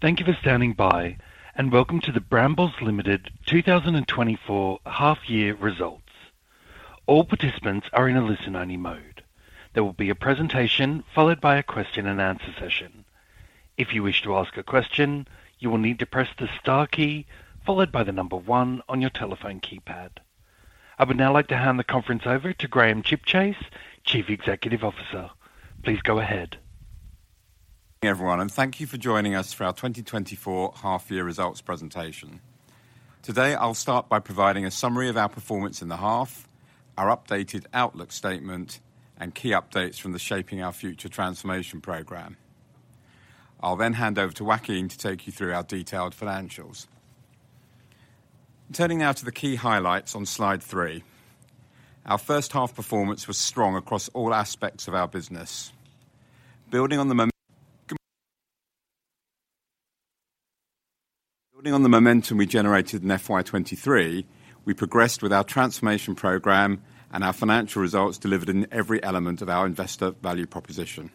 Thank you for standing by, and welcome to the Brambles Limited 2024 half year results. All participants are in a listen-only mode. There will be a presentation followed by a question and answer session. If you wish to ask a question, you will need to press the star key followed by the number 1 on your telephone keypad. I would now like to hand the conference over to Graham Chipchase, Chief Executive Officer. Please go ahead. ... Everyone, and thank you for joining us for our 2024 half year results presentation. Today, I'll start by providing a summary of our performance in the half, our updated outlook statement, and key updates from the Shaping Our Future transformation program. I'll then hand over to Joaquin to take you through our detailed financials. Turning now to the key highlights on slide three. Our first half performance was strong across all aspects of our business. Building on the momentum we generated in FY 2023, we progressed with our transformation program and our financial results delivered in every element of our investor value proposition.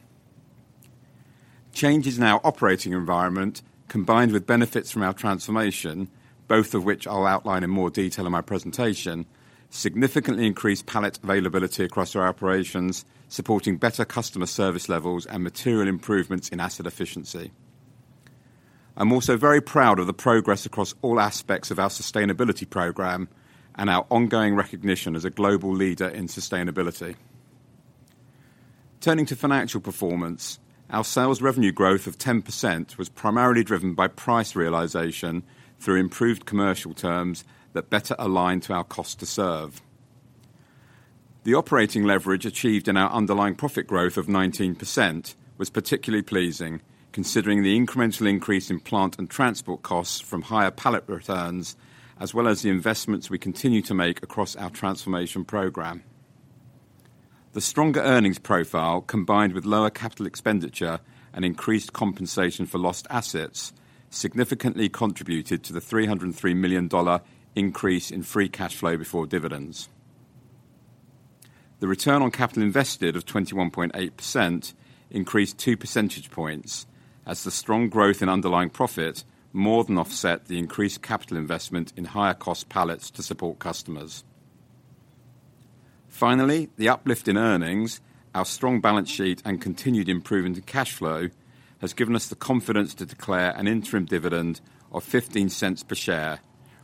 Changes in our operating environment, combined with benefits from our transformation, both of which I'll outline in more detail in my presentation, significantly increased pallet availability across our operations, supporting better customer service levels and material improvements in asset efficiency. I'm also very proud of the progress across all aspects of our sustainability program and our ongoing recognition as a global leader in sustainability. Turning to financial performance, our sales revenue growth of 10% was primarily driven by price realization through improved commercial terms that better align to our cost to serve. The operating leverage achieved in our underlying profit growth of 19% was particularly pleasing, considering the incremental increase in plant and transport costs from higher pallet returns, as well as the investments we continue to make across our transformation program. The stronger earnings profile, combined with lower capital expenditure and increased compensation for lost assets, significantly contributed to the $303 million increase in free cash flow before dividends. The return on capital invested of 21.8% increased 2 percentage points as the strong growth in underlying profit more than offset the increased capital investment in higher cost pallets to support customers. Finally, the uplift in earnings, our strong balance sheet and continued improvement in cash flow has given us the confidence to declare an interim dividend of $0.15 per share,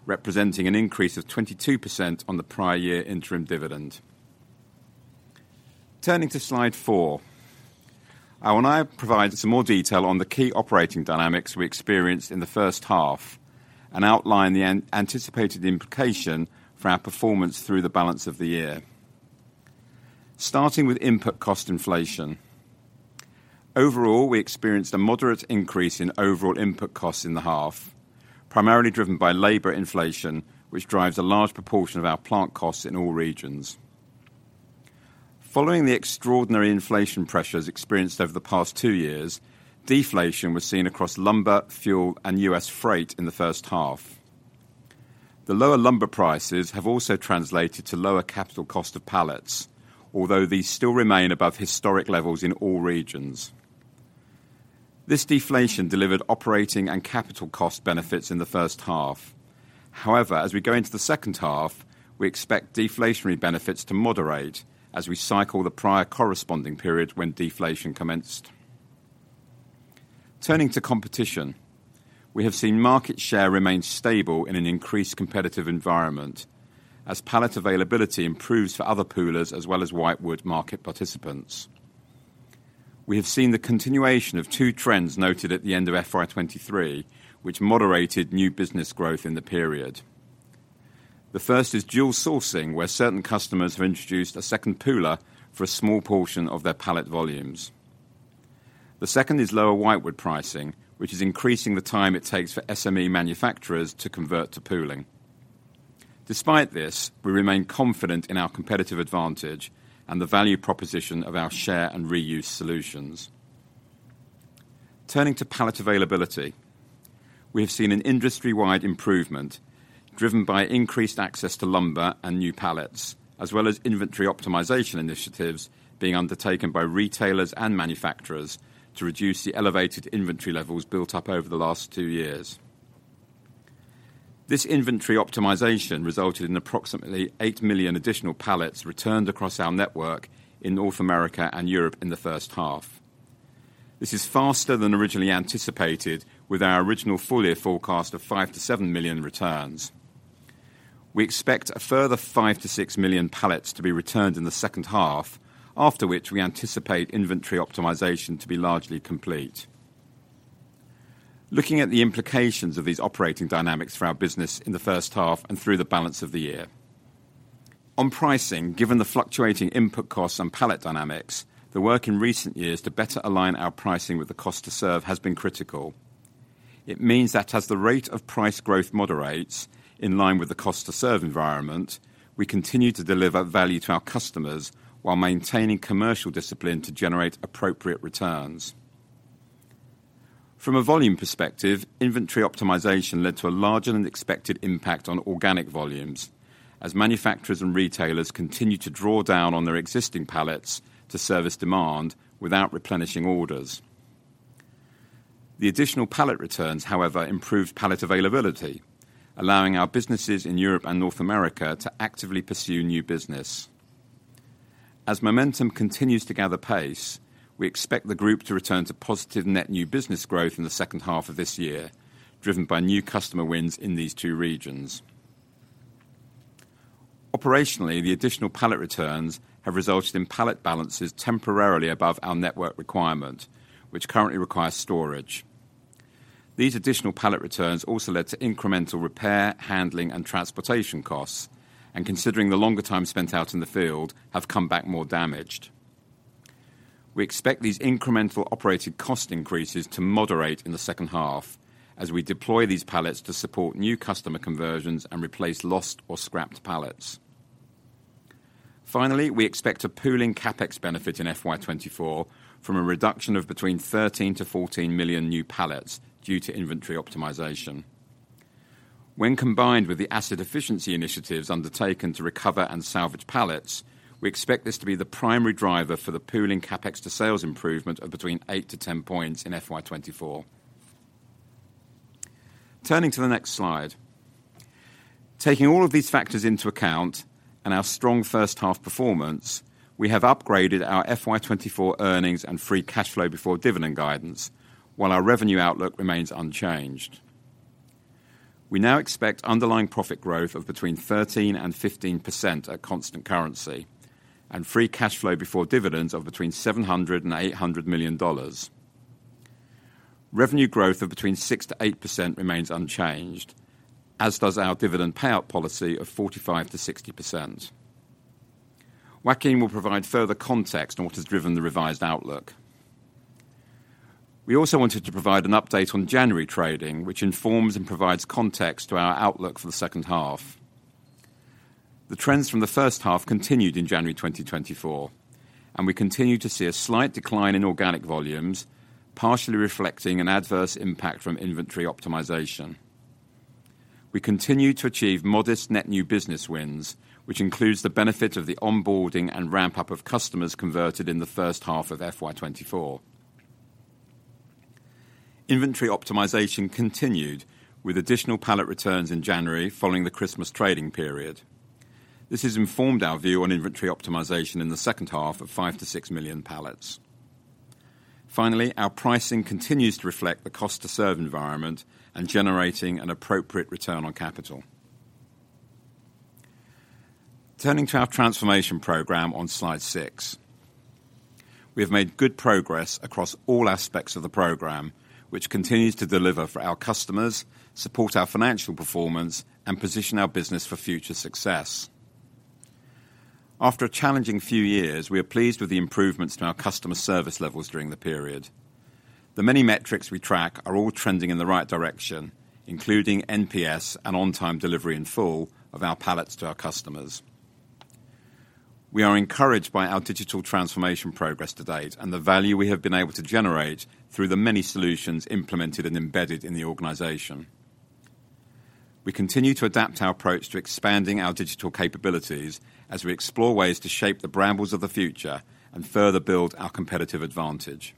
representing an increase of 22% on the prior year interim dividend. Turning to slide four. I will now provide some more detail on the key operating dynamics we experienced in the first half and outline the anticipated implication for our performance through the balance of the year. Starting with input cost inflation. Overall, we experienced a moderate increase in overall input costs in the half, primarily driven by labor inflation, which drives a large proportion of our plant costs in all regions. Following the extraordinary inflation pressures experienced over the past two years, deflation was seen across lumber, fuel, and U.S. freight in the first half. The lower lumber prices have also translated to lower capital cost of pallets, although these still remain above historic levels in all regions. This deflation delivered operating and capital cost benefits in the first half. However, as we go into the second half, we expect deflationary benefits to moderate as we cycle the prior corresponding period when deflation commenced. Turning to competition, we have seen market share remain stable in an increased competitive environment as pallet availability improves for other poolers as well as whitewood market participants. We have seen the continuation of two trends noted at the end of FY 2023, which moderated new business growth in the period. The first is dual sourcing, where certain customers have introduced a second pooler for a small portion of their pallet volumes. The second is lower whitewood pricing, which is increasing the time it takes for SME manufacturers to convert to pooling. Despite this, we remain confident in our competitive advantage and the value proposition of our share and reuse solutions. Turning to pallet availability, we have seen an industry-wide improvement driven by increased access to lumber and new pallets, as well as inventory optimization initiatives being undertaken by retailers and manufacturers to reduce the elevated inventory levels built up over the last two years. This inventory optimization resulted in approximately 8 million additional pallets returned across our network in North America and Europe in the first half. This is faster than originally anticipated, with our original full year forecast of 5 millions-7 million returns. We expect a further 5 million-6 million pallets to be returned in the second half, after which we anticipate inventory optimization to be largely complete. Looking at the implications of these operating dynamics for our business in the first half and through the balance of the year. On pricing, given the fluctuating input costs and pallet dynamics, the work in recent years to better align our pricing with the cost to serve has been critical. It means that as the rate of price growth moderates in line with the cost to serve environment, we continue to deliver value to our customers while maintaining commercial discipline to generate appropriate returns. From a volume perspective, inventory optimization led to a larger-than-expected impact on organic volumes as manufacturers and retailers continue to draw down on their existing pallets to service demand without replenishing orders.... The additional pallet returns, however, improved pallet availability, allowing our businesses in Europe and North America to actively pursue new business. As momentum continues to gather pace, we expect the group to return to positive net new business growth in the second half of this year, driven by new customer wins in these two regions. Operationally, the additional pallet returns have resulted in pallet balances temporarily above our network requirement, which currently requires storage. These additional pallet returns also led to incremental repair, handling, and transportation costs, and considering the longer time spent out in the field, have come back more damaged. We expect these incremental operating cost increases to moderate in the second half as we deploy these pallets to support new customer conversions and replace lost or scrapped pallets. Finally, we expect a pooling CapEx benefit in FY 2024 from a reduction of between 13 million-14 million new pallets due to inventory optimization. When combined with the asset efficiency initiatives undertaken to recover and salvage pallets, we expect this to be the primary driver for the pooling CapEx to sales improvement of between 8-10 points in FY 2024. Turning to the next slide. Taking all of these factors into account and our strong first half performance, we have upgraded our FY 2024 earnings and free cash flow before dividend guidance, while our revenue outlook remains unchanged. We now expect underlying profit growth of between 13% and 15% at constant currency, and free cash flow before dividends of between $700 million and $800 million. Revenue growth of between 6%-8% remains unchanged, as does our dividend payout policy of 45%-60%. Joaquin will provide further context on what has driven the revised outlook. We also wanted to provide an update on January trading, which informs and provides context to our outlook for the second half. The trends from the first half continued in January 2024, and we continue to see a slight decline in organic volumes, partially reflecting an adverse impact from inventory optimization. We continue to achieve modest net new business wins, which includes the benefit of the onboarding and ramp-up of customers converted in the first half of FY 2024. Inventory optimization continued with additional pallet returns in January following the Christmas trading period. This has informed our view on inventory optimization in the second half of 5 million-6 million pallets. Finally, our pricing continues to reflect the Cost to Serve environment and generating an appropriate return on capital. Turning to our transformation program on slide 6. We have made good progress across all aspects of the program, which continues to deliver for our customers, support our financial performance, and position our business for future success. After a challenging few years, we are pleased with the improvements to our customer service levels during the period. The many metrics we track are all trending in the right direction, including NPS and on-time delivery in full of our pallets to our customers. We are encouraged by our digital transformation progress to date and the value we have been able to generate through the many solutions implemented and embedded in the organization. We continue to adapt our approach to expanding our digital capabilities as we explore ways to shape the Brambles of the future and further build our competitive advantage.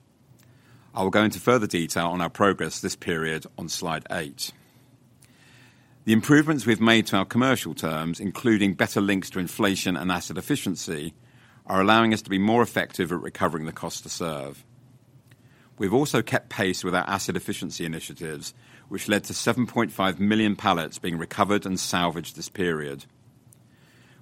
I will go into further detail on our progress this period on slide eight. The improvements we've made to our commercial terms, including better links to inflation and asset efficiency, are allowing us to be more effective at recovering the cost to serve. We've also kept pace with our asset efficiency initiatives, which led to 7.5 million pallets being recovered and salvaged this period.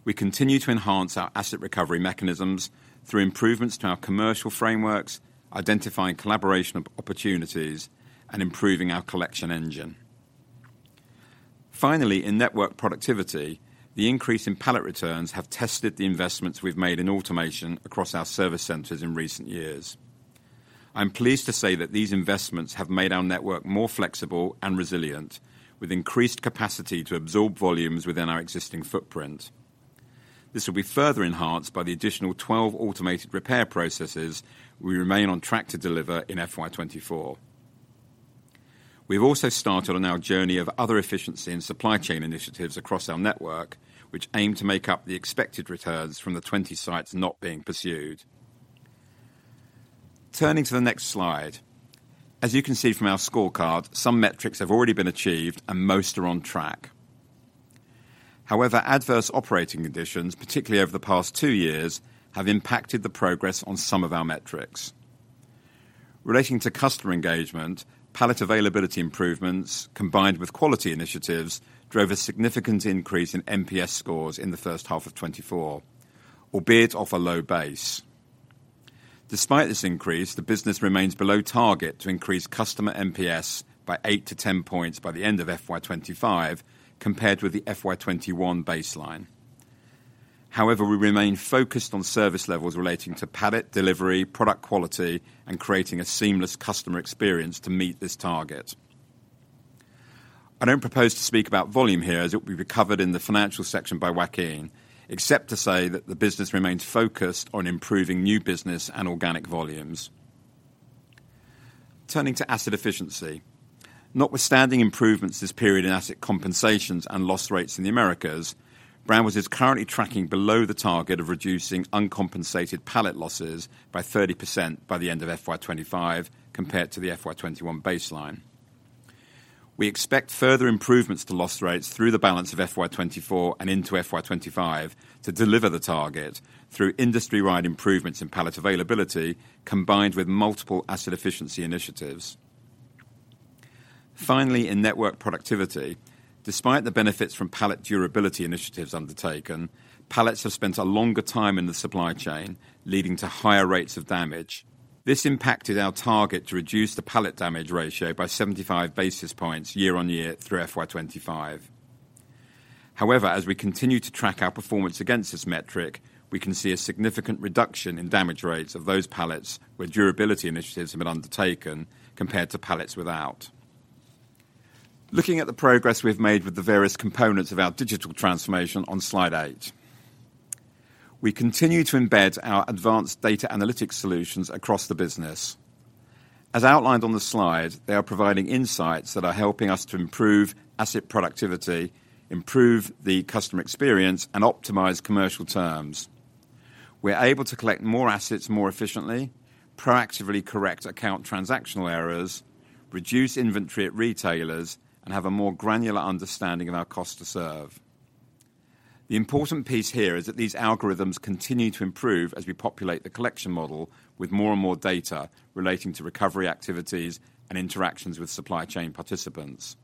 We continue to enhance our asset recovery mechanisms through improvements to our commercial frameworks, identifying collaboration opportunities, and improving our collection engine. Finally, in network productivity, the increase in pallet returns have tested the investments we've made in automation across our service centers in recent years. I'm pleased to say that these investments have made our network more flexible and resilient, with increased capacity to absorb volumes within our existing footprint. This will be further enhanced by the additional 12 automated repair processes we remain on track to deliver in FY 2024. We've also started on our journey of other efficiency and supply chain initiatives across our network, which aim to make up the expected returns from the 20 sites not being pursued. Turning to the next slide. As you can see from our scorecard, some metrics have already been achieved and most are on track. However, adverse operating conditions, particularly over the past two years, have impacted the progress on some of our metrics. Relating to customer engagement, pallet availability improvements, combined with quality initiatives, drove a significant increase in NPS scores in the first half of 2024, albeit off a low base. Despite this increase, the business remains below target to increase customer NPS by 8-10 points by the end of FY 2025, compared with the FY 2021 baseline. However, we remain focused on service levels relating to pallet delivery, product quality, and creating a seamless customer experience to meet this target. I don't propose to speak about volume here, as it will be covered in the financial section by Joaquin, except to say that the business remains focused on improving new business and organic volumes. Turning to asset efficiency, notwithstanding improvements this period in asset compensations and loss rates in the Americas, Brambles is currently tracking below the target of reducing uncompensated pallet losses by 30% by the end of FY 2025, compared to the FY 2021 baseline. We expect further improvements to loss rates through the balance of FY 2024 and into FY 2025 to deliver the target through industry-wide improvements in pallet availability, combined with multiple asset efficiency initiatives. Finally, in network productivity, despite the benefits from pallet durability initiatives undertaken, pallets have spent a longer time in the supply chain, leading to higher rates of damage. This impacted our target to reduce the pallet damage ratio by 75 basis points year on year through FY 2025. However, as we continue to track our performance against this metric, we can see a significant reduction in damage rates of those pallets where durability initiatives have been undertaken compared to pallets without. Looking at the progress we've made with the various components of our digital transformation on slide 8. We continue to embed our advanced data analytics solutions across the business. As outlined on the slide, they are providing insights that are helping us to improve asset productivity, improve the customer experience, and optimize commercial terms. We are able to collect more assets more efficiently, proactively correct account transactional errors, reduce inventory at retailers, and have a more granular understanding of our cost to serve. The important piece here is that these algorithms continue to improve as we populate the collection model with more and more data relating to recovery activities and interactions with supply chain participants.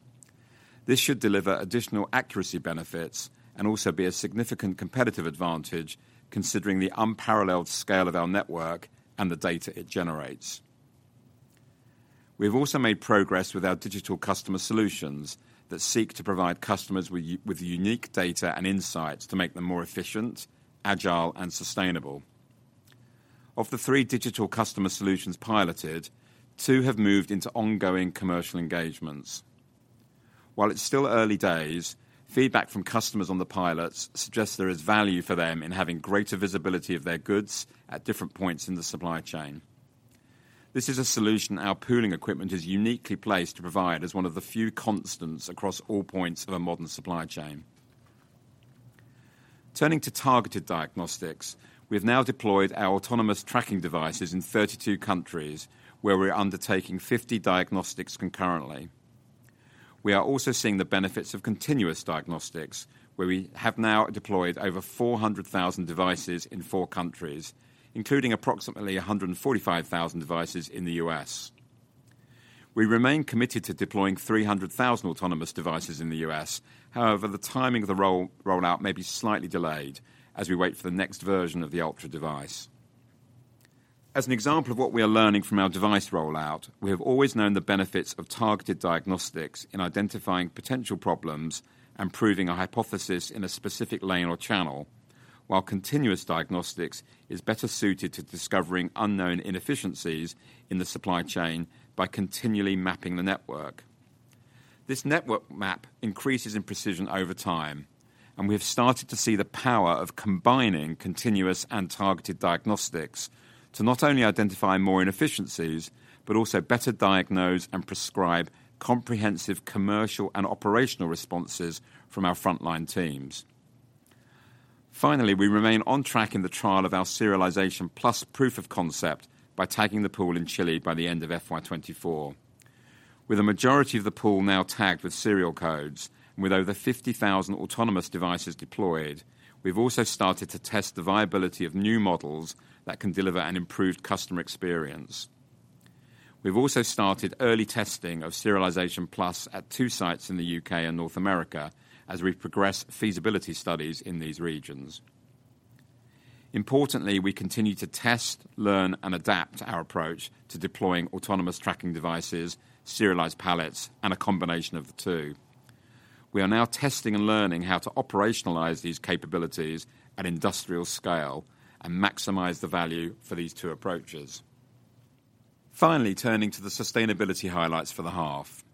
This should deliver additional accuracy benefits and also be a significant competitive advantage, considering the unparalleled scale of our network and the data it generates. We have also made progress with our digital customer solutions that seek to provide customers with unique data and insights to make them more efficient, agile, and sustainable. Of the three digital customer solutions piloted, two have moved into ongoing commercial engagements. While it's still early days, feedback from customers on the pilots suggests there is value for them in having greater visibility of their goods at different points in the supply chain. This is a solution our pooling equipment is uniquely placed to provide as one of the few constants across all points of a modern supply chain. Turning to targeted diagnostics, we have now deployed our autonomous tracking devices in 32 countries, where we're undertaking 50 diagnostics concurrently. We are also seeing the benefits of continuous diagnostics, where we have now deployed over 400,000 devices in four countries, including approximately 145,000 devices in the U.S. We remain committed to deploying 300,000 autonomous devices in the U.S. However, the timing of the rollout may be slightly delayed as we wait for the next version of the Ultra device. As an example of what we are learning from our device rollout, we have always known the benefits of targeted diagnostics in identifying potential problems and proving a hypothesis in a specific lane or channel, while continuous diagnostics is better suited to discovering unknown inefficiencies in the supply chain by continually mapping the network. This network map increases in precision over time, and we have started to see the power of combining continuous and targeted diagnostics to not only identify more inefficiencies, but also better diagnose and prescribe comprehensive commercial and operational responses from our frontline teams. Finally, we remain on track in the trial of our Serialisation+ proof of concept by tagging the pool in Chile by the end of FY 2024. With a majority of the pool now tagged with serial codes and with over 50,000 autonomous devices deployed, we've also started to test the viability of new models that can deliver an improved customer experience. We've also started early testing of Serialization+ at two sites in the U.K. and North America as we progress feasibility studies in these regions. Importantly, we continue to test, learn, and adapt our approach to deploying autonomous tracking devices, serialized pallets, and a combination of the two. We are now testing and learning how to operationalize these capabilities at industrial scale and maximize the value for these two approaches. Finally, turning to the sustainability highlights for the half.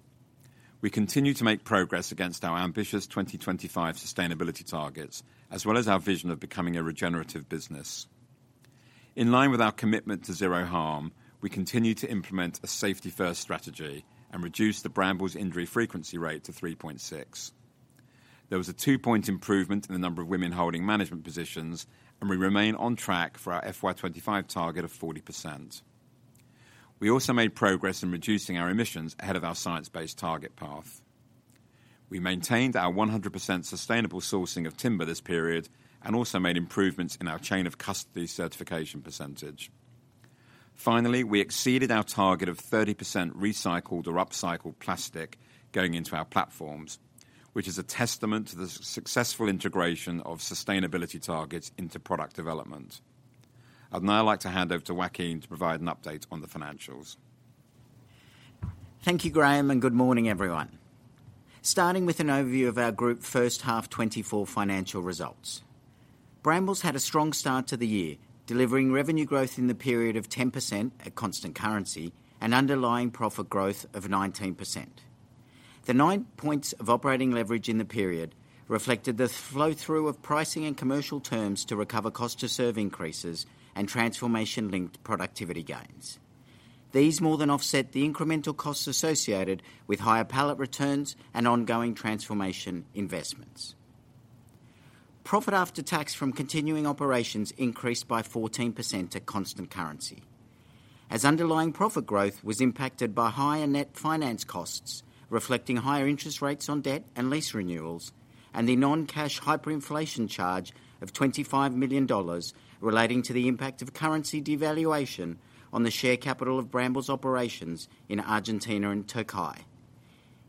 We continue to make progress against our ambitious 2025 sustainability targets, as well as our vision of becoming a regenerative business. In line with our commitment to Zero Harm, we continue to implement a safety-first strategy and reduce the Brambles injury frequency rate to 3.6. There was a two-point improvement in the number of women holding management positions, and we remain on track for our FY 2025 target of 40%. We also made progress in reducing our emissions ahead of our science-based target path. We maintained our 100% sustainable sourcing of timber this period and also made improvements in our chain of custody certification percentage. Finally, we exceeded our target of 30% recycled or upcycled plastic going into our platforms, which is a testament to the successful integration of sustainability targets into product development. I'd now like to hand over to Joaquin to provide an update on the financials. Thank you, Graham, and good morning, everyone. Starting with an overview of our group first half 2024 financial results. Brambles had a strong start to the year, delivering revenue growth in the period of 10% at constant currency and underlying profit growth of 19%. The nine points of operating leverage in the period reflected the flow-through of pricing and commercial terms to recover cost to serve increases and transformation-linked productivity gains. These more than offset the incremental costs associated with higher pallet returns and ongoing transformation investments. Profit after tax from continuing operations increased by 14% at constant currency, as underlying profit growth was impacted by higher net finance costs, reflecting higher interest rates on debt and lease renewals, and the non-cash hyperinflation charge of $25 million relating to the impact of currency devaluation on the share capital of Brambles operations in Argentina and Turkey.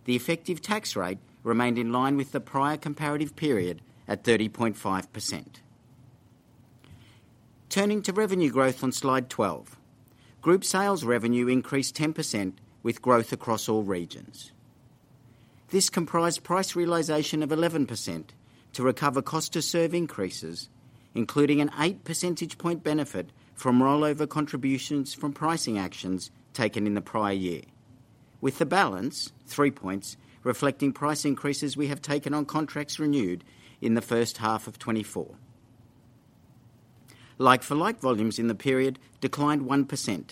The effective tax rate remained in line with the prior comparative period at 30.5%. Turning to revenue growth on Slide 12. Group sales revenue increased 10%, with growth across all regions. This comprised price realization of 11% to recover Cost to Serve increases, including an eight percentage point benefit from rollover contributions from pricing actions taken in the prior year, with the balance, three points, reflecting price increases we have taken on contracts renewed in the first half of 2024. Like-for-like volumes in the period declined 1%,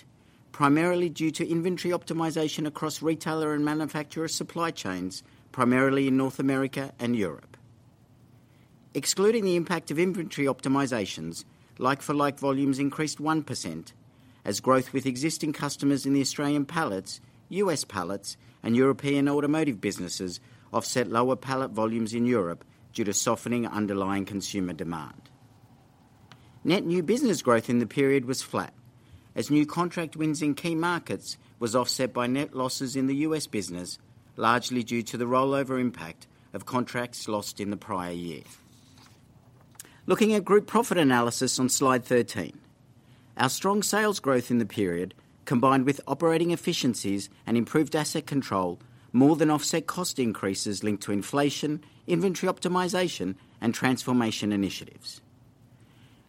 primarily due to inventory optimization across retailer and manufacturer supply chains, primarily in North America and Europe. Excluding the impact of inventory optimizations, like-for-like volumes increased 1%, as growth with existing customers in the Australian pallets, U.S. pallets, and European automotive businesses offset lower pallet volumes in Europe due to softening underlying consumer demand. Net new business growth in the period was flat, as new contract wins in key markets was offset by net losses in the U.S. business, largely due to the rollover impact of contracts lost in the prior year. Looking at group profit analysis on Slide 13. Our strong sales growth in the period, combined with operating efficiencies and improved asset control, more than offset cost increases linked to inflation, inventory optimization, and transformation initiatives.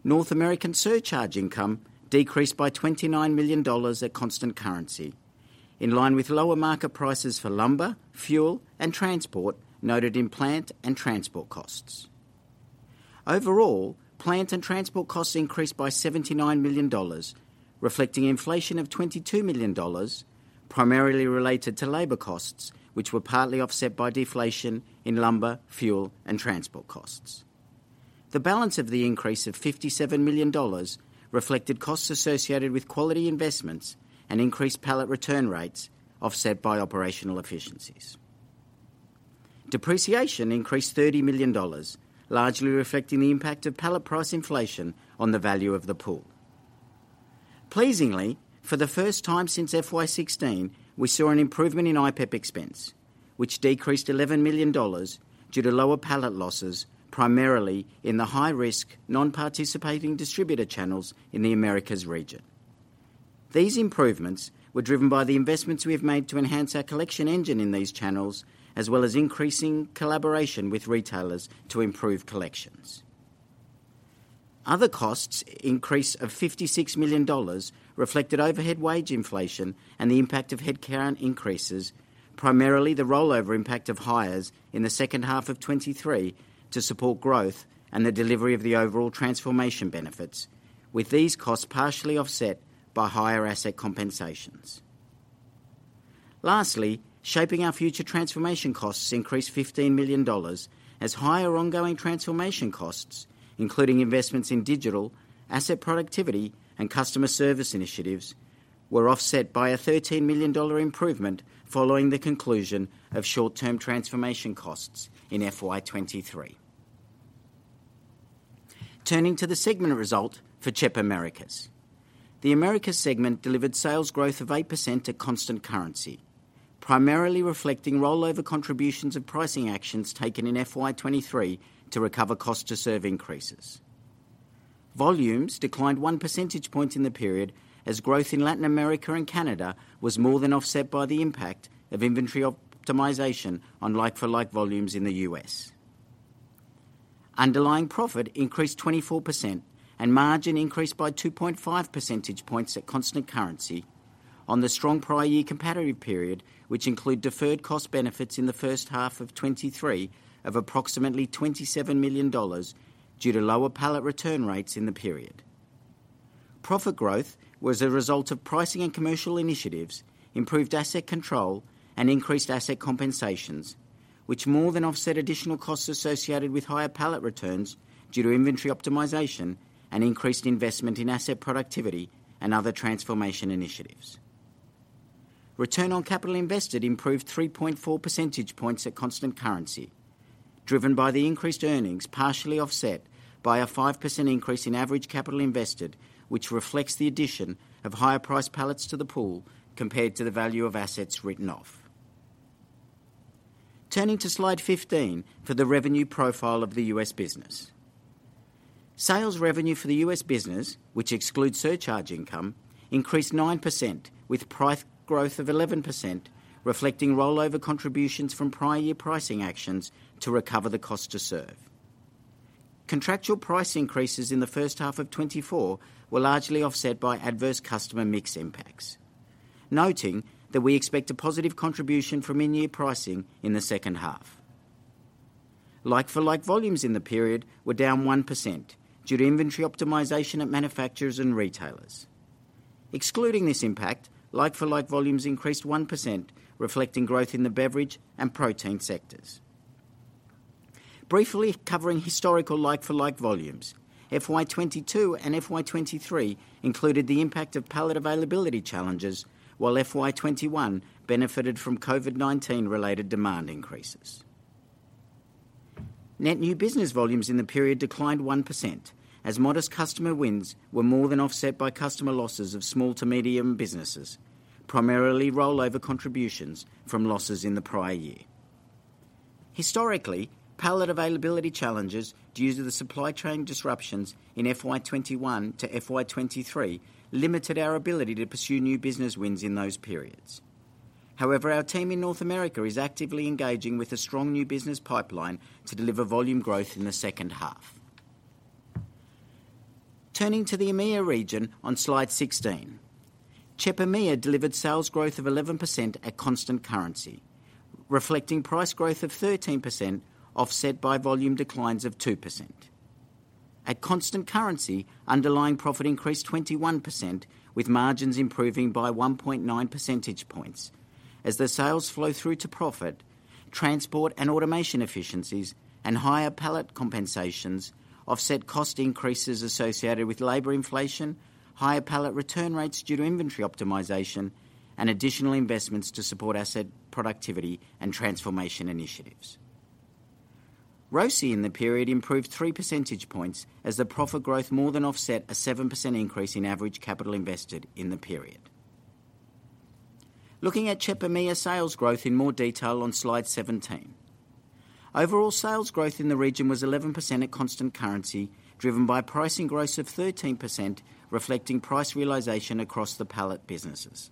North American surcharge income decreased by $29 million at constant currency, in line with lower market prices for lumber, fuel, and transport noted in plant and transport costs. Overall, plant and transport costs increased by $79 million, reflecting inflation of $22 million, primarily related to labor costs, which were partly offset by deflation in lumber, fuel, and transport costs. The balance of the increase of $57 million reflected costs associated with quality investments and increased pallet return rates, offset by operational efficiencies. Depreciation increased $30 million, largely reflecting the impact of pallet price inflation on the value of the pool. Pleasingly, for the first time since FY 2016, we saw an improvement in IPEP expense, which decreased $11 million due to lower pallet losses, primarily in the high-risk, non-participating distributor channels in the Americas region. These improvements were driven by the investments we have made to enhance our collection engine in these channels, as well as increasing collaboration with retailers to improve collections. Other costs increase of $56 million reflected overhead wage inflation and the impact of headcount increases, primarily the rollover impact of hires in the second half of 2023 to support growth and the delivery of the overall transformation benefits, with these costs partially offset by higher asset compensations. Lastly, Shaping Our Future transformation costs increased $15 million as higher ongoing transformation costs, including investments in digital, asset productivity, and customer service initiatives, were offset by a $13 million improvement following the conclusion of short-term transformation costs in FY 2023. Turning to the segment result for CHEP Americas. The Americas segment delivered sales growth of 8% at constant currency, primarily reflecting rollover contributions and pricing actions taken in FY 2023 to recover cost to serve increases. Volumes declined 1 percentage point in the period as growth in Latin America and Canada was more than offset by the impact of inventory optimization on like-for-like volumes in the U.S. Underlying profit increased 24%, and margin increased by 2.5 percentage points at constant currency on the strong prior year comparative period, which include deferred cost benefits in the first half of 2023 of approximately $27 million due to lower pallet return rates in the period. Profit growth was a result of pricing and commercial initiatives, improved asset control, and increased asset compensations, which more than offset additional costs associated with higher pallet returns due to inventory optimization and increased investment in asset productivity and other transformation initiatives. Return on capital invested improved 3.4 percentage points at constant currency, driven by the increased earnings, partially offset by a 5% increase in average capital invested, which reflects the addition of higher price pallets to the pool compared to the value of assets written off. Turning to Slide 15 for the revenue profile of the U.S. business. Sales revenue for the U.S. business, which excludes surcharge income, increased 9%, with price growth of 11%, reflecting rollover contributions from prior year pricing actions to recover the cost to serve. Contractual price increases in the first half of 2024 were largely offset by adverse customer mix impacts, noting that we expect a positive contribution from in-year pricing in the second half. Like-for-like volumes in the period were down 1% due to inventory optimization at manufacturers and retailers. Excluding this impact, like-for-like volumes increased 1%, reflecting growth in the beverage and protein sectors. Briefly covering historical like-for-like volumes, FY 2022 and FY 2023 included the impact of pallet availability challenges, while FY 2021 benefited from COVID-19 related demand increases. Net new business volumes in the period declined 1%, as modest customer wins were more than offset by customer losses of small to medium businesses, primarily rollover contributions from losses in the prior year. Historically, pallet availability challenges due to the supply chain disruptions in FY 2021 to FY 2023 limited our ability to pursue new business wins in those periods. However, our team in North America is actively engaging with a strong new business pipeline to deliver volume growth in the second half. Turning to the EMEA region on Slide 16. CHEP EMEA delivered sales growth of 11% at constant currency, reflecting price growth of 13%, offset by volume declines of 2%. At constant currency, underlying profit increased 21%, with margins improving by 1.9 percentage points. As the sales flow through to profit, transport and automation efficiencies and higher pallet compensations offset cost increases associated with labor inflation, higher pallet return rates due to inventory optimization, and additional investments to support asset productivity and transformation initiatives. ROCE in the period improved 3 percentage points as the profit growth more than offset a 7% increase in average capital invested in the period. Looking at CHEP EMEA sales growth in more detail on Slide 17. Overall, sales growth in the region was 11% at constant currency, driven by pricing growth of 13%, reflecting price realization across the pallet businesses.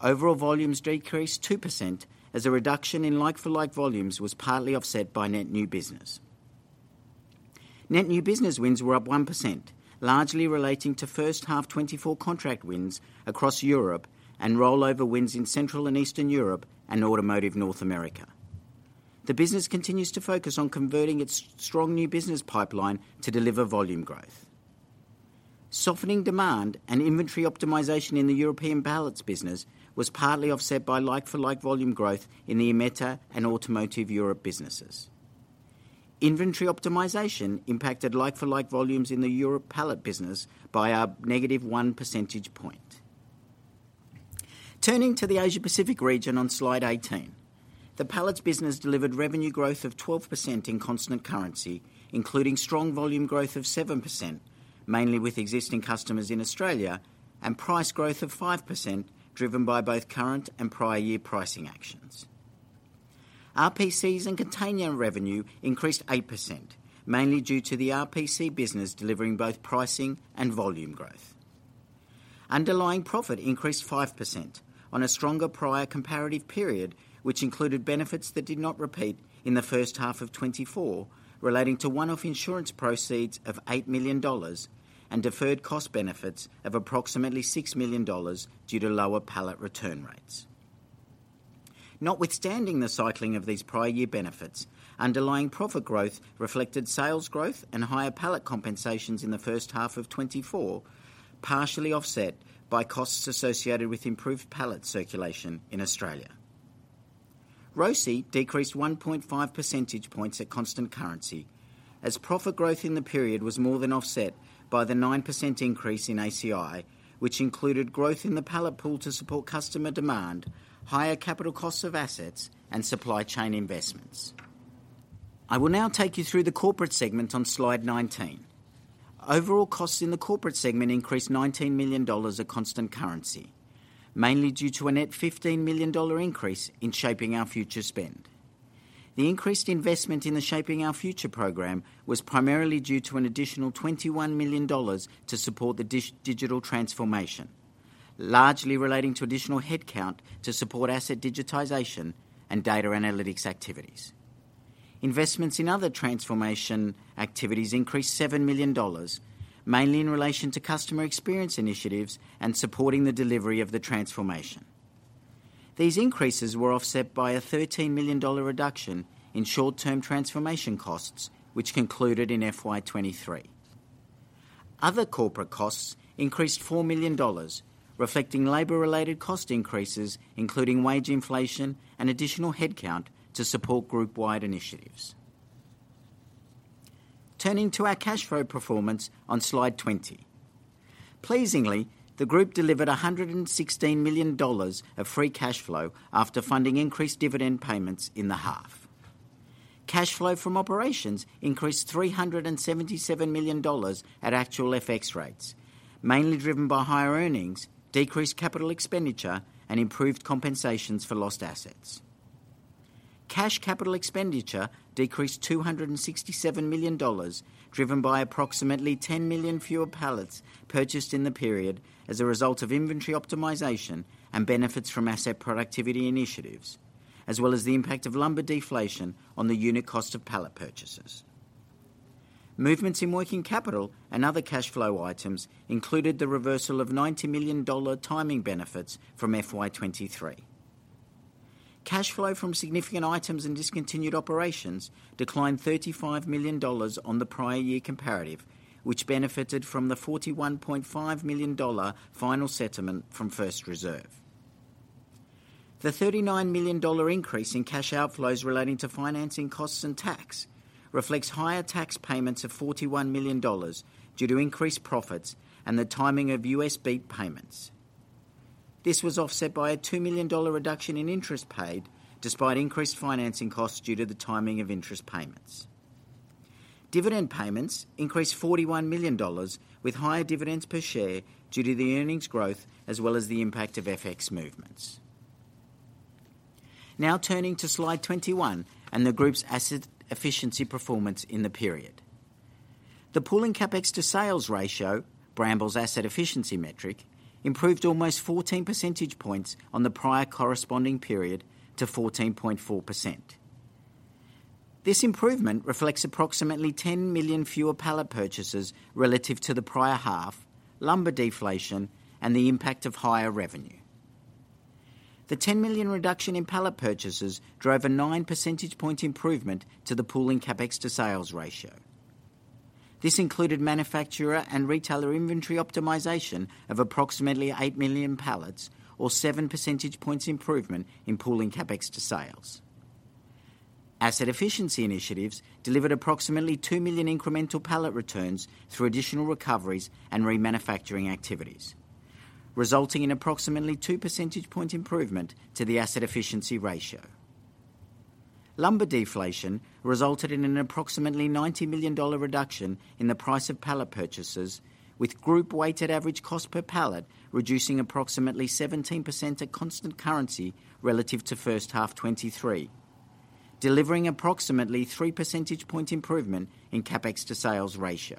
Overall volumes decreased 2%, as a reduction in like-for-like volumes was partly offset by net new business. Net new business wins were up 1%, largely relating to first half 2024 contract wins across Europe and rollover wins in Central and Eastern Europe and Automotive North America. The business continues to focus on converting its strong new business pipeline to deliver volume growth. Softening demand and inventory optimization in the European pallets business was partly offset by like-for-like volume growth in the IMETA and Automotive Europe businesses. Inventory optimization impacted like-for-like volumes in the Europe pallet business by a -1 percentage point. Turning to the Asia Pacific region on Slide 18, the pallets business delivered revenue growth of 12% in constant currency, including strong volume growth of 7%, mainly with existing customers in Australia, and price growth of 5%, driven by both current and prior year pricing actions. RPCs and container revenue increased 8%, mainly due to the RPC business delivering both pricing and volume growth. Underlying profit increased 5% on a stronger prior comparative period, which included benefits that did not repeat in the first half of 2024, relating to one-off insurance proceeds of $8 million and deferred cost benefits of approximately $6 million due to lower pallet return rates. Notwithstanding the cycling of these prior year benefits, underlying profit growth reflected sales growth and higher pallet compensations in the first half of 2024, partially offset by costs associated with improved pallet circulation in Australia. ROCE decreased 1.5 percentage points at constant currency, as profit growth in the period was more than offset by the 9% increase in ACI, which included growth in the pallet pool to support customer demand, higher capital costs of assets, and supply chain investments. I will now take you through the corporate segment on Slide 19. Overall costs in the corporate segment increased $19 million at constant currency, mainly due to a net $15 million increase in Shaping Our Future spend. The increased investment in the Shaping Our Future program was primarily due to an additional $21 million to support the digital transformation, largely relating to additional headcount to support asset digitization and data analytics activities. Investments in other transformation activities increased $7 million, mainly in relation to customer experience initiatives and supporting the delivery of the transformation. These increases were offset by a $13 million reduction in short-term transformation costs, which concluded in FY 2023. Other corporate costs increased $4 million, reflecting labor-related cost increases, including wage inflation and additional headcount to support group-wide initiatives. Turning to our cash flow performance on Slide 20. Pleasingly, the group delivered $116 million of free cash flow after funding increased dividend payments in the half. Cash flow from operations increased $377 million at actual FX rates, mainly driven by higher earnings, decreased capital expenditure, and improved compensations for lost assets. Cash capital expenditure decreased $267 million, driven by approximately 10 million fewer pallets purchased in the period as a result of inventory optimization and benefits from asset productivity initiatives, as well as the impact of lumber deflation on the unit cost of pallet purchases. Movements in working capital and other cash flow items included the reversal of $90 million timing benefits from FY 2023. Cash flow from significant items and discontinued operations declined $35 million on the prior year comparative, which benefited from the $41.5 million final settlement from First Reserve. The $39 million increase in cash outflows relating to financing costs and tax reflects higher tax payments of $41 million due to increased profits and the timing of U.S. BEAT payments. This was offset by a $2 million reduction in interest paid, despite increased financing costs due to the timing of interest payments. Dividend payments increased $41 million, with higher dividends per share due to the earnings growth, as well as the impact of FX movements. Now turning to slide 21 and the group's asset efficiency performance in the period. The Pooling CapEx to sales ratio, Brambles' asset efficiency metric, improved almost 14 percentage points on the prior corresponding period to 14.4%. This improvement reflects approximately 10 million fewer pallet purchases relative to the prior half, lumber deflation, and the impact of higher revenue. The 10 million reduction in pallet purchases drove a 9 percentage point improvement to the pooling CapEx to sales ratio. This included manufacturer and retailer inventory optimization of approximately 8 million pallets or 7 percentage points improvement in pooling CapEx to sales. Asset efficiency initiatives delivered approximately 2 million incremental pallet returns through additional recoveries and remanufacturing activities, resulting in approximately 2 percentage point improvement to the asset efficiency ratio. Lumber deflation resulted in an approximately $90 million reduction in the price of pallet purchases, with group weighted average cost per pallet reducing approximately 17% at constant currency relative to first half 2023, delivering approximately 3 percentage point improvement in CapEx to sales ratio.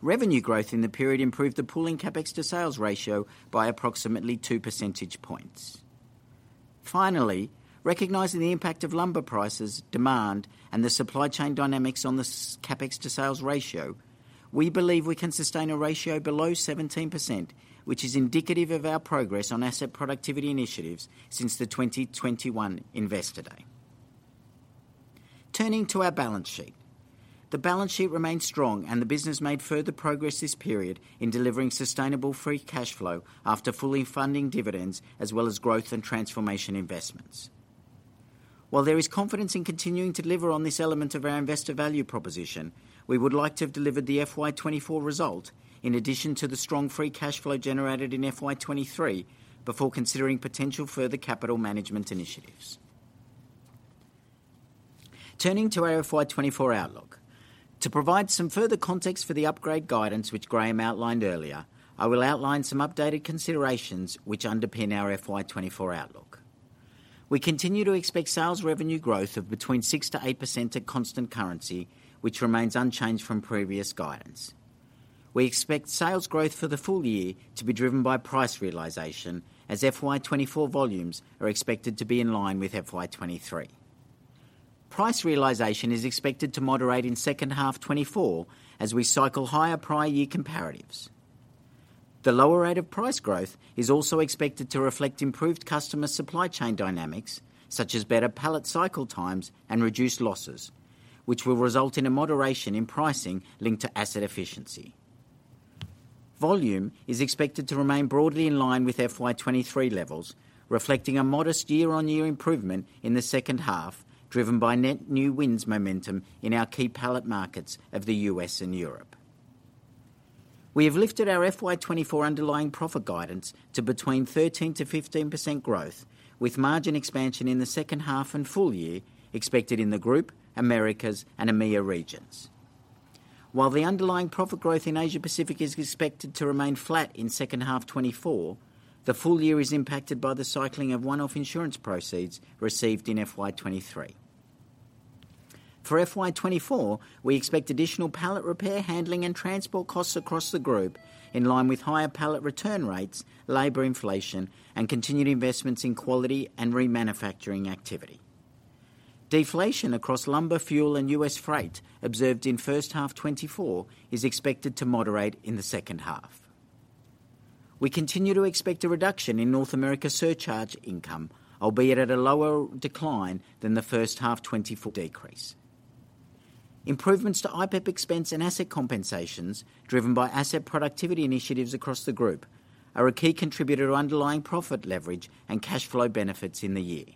Revenue growth in the period improved the pooling CapEx to sales ratio by approximately 2 percentage points. Finally, recognizing the impact of lumber prices, demand, and the supply chain dynamics on the Pooling CapEx to sales ratio, we believe we can sustain a ratio below 17%, which is indicative of our progress on asset productivity initiatives since the 2021 Investor Day. Turning to our balance sheet. The balance sheet remains strong, and the business made further progress this period in delivering sustainable free cash flow after fully funding dividends, as well as growth and transformation investments. While there is confidence in continuing to deliver on this element of our investor value proposition, we would like to have delivered the FY 2024 result, in addition to the strong free cash flow generated in FY 2023, before considering potential further capital management initiatives. Turning to our FY 2024 outlook. To provide some further context for the upgrade guidance, which Graham outlined earlier, I will outline some updated considerations which underpin our FY 2024 outlook. We continue to expect sales revenue growth of between 6%-8% at constant currency, which remains unchanged from previous guidance. We expect sales growth for the full year to be driven by price realization, as FY 2024 volumes are expected to be in line with FY 2023. Price realization is expected to moderate in second half 2024 as we cycle higher prior year comparatives. The lower rate of price growth is also expected to reflect improved customer supply chain dynamics, such as better pallet cycle times and reduced losses, which will result in a moderation in pricing linked to asset efficiency. Volume is expected to remain broadly in line with FY 2023 levels, reflecting a modest year-on-year improvement in the second half, driven by net new wins momentum in our key pallet markets of the U.S. and Europe. We have lifted our FY 2024 underlying profit guidance to between 13%-15% growth, with margin expansion in the second half and full year expected in the Group, Americas, and EMEA regions. While the underlying profit growth in Asia Pacific is expected to remain flat in second half 2024, the full year is impacted by the cycling of one-off insurance proceeds received in FY 2023. For FY 2024, we expect additional pallet repair, handling, and transport costs across the group, in line with higher pallet return rates, labor inflation, and continued investments in quality and remanufacturing activity. Deflation across lumber, fuel, and U.S. freight observed in first half 2024 is expected to moderate in the second half. We continue to expect a reduction in North America surcharge income, albeit at a lower decline than the first half 2024 decrease. Improvements to IPEP expense and asset compensations, driven by asset productivity initiatives across the group, are a key contributor to underlying profit leverage and cash flow benefits in the year.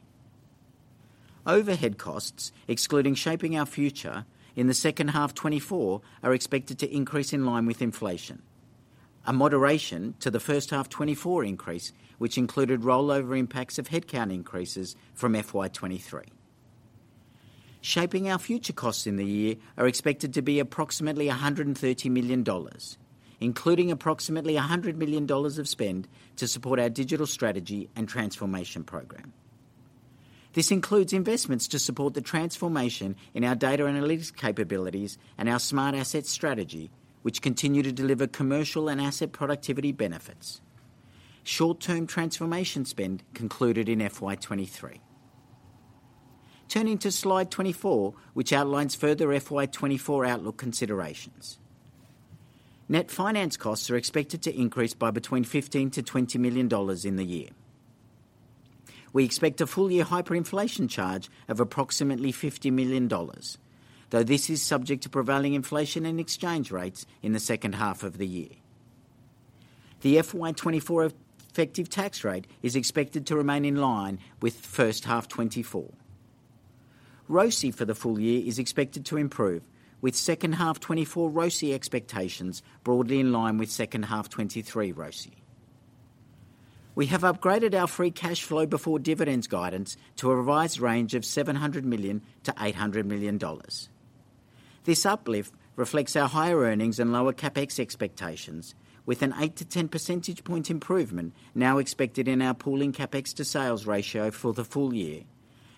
Overhead costs, excluding Shaping Our Future, in the second half 2024, are expected to increase in line with inflation, a moderation to the first half 2024 increase, which included rollover impacts of headcount increases from FY 2023. Shaping Our Future costs in the year are expected to be approximately $130 million, including approximately $100 million of spend to support our digital strategy and transformation program. This includes investments to support the transformation in our data analytics capabilities and our smart asset strategy, which continue to deliver commercial and asset productivity benefits. Short-term transformation spend concluded in FY 2023. Turning to slide 24, which outlines further FY 2024 outlook considerations. Net finance costs are expected to increase by between $15 million-$20 million in the year. We expect a full-year hyperinflation charge of approximately $50 million, though this is subject to prevailing inflation and exchange rates in the second half of the year. The FY 2024 effective tax rate is expected to remain in line with first half 2024. ROCE for the full year is expected to improve, with second half 2024 ROCE expectations broadly in line with second half 2023 ROCE. We have upgraded our free cash flow before dividends guidance to a revised range of $700 million-$800 million. This uplift reflects our higher earnings and lower CapEx expectations, with an 8-10 percentage point improvement now expected in our pooling CapEx to sales ratio for the full year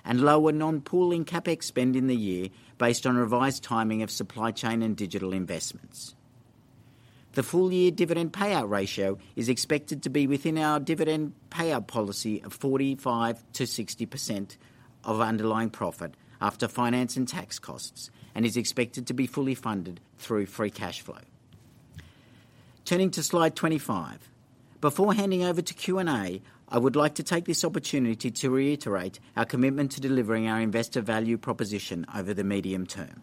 and lower non-pooling CapEx spend in the year based on revised timing of supply chain and digital investments. The full year dividend payout ratio is expected to be within our dividend payout policy of 45%-60% of underlying profit after finance and tax costs, and is expected to be fully funded through free cash flow. Turning to slide 25. Before handing over to Q&A, I would like to take this opportunity to reiterate our commitment to delivering our investor value proposition over the medium term.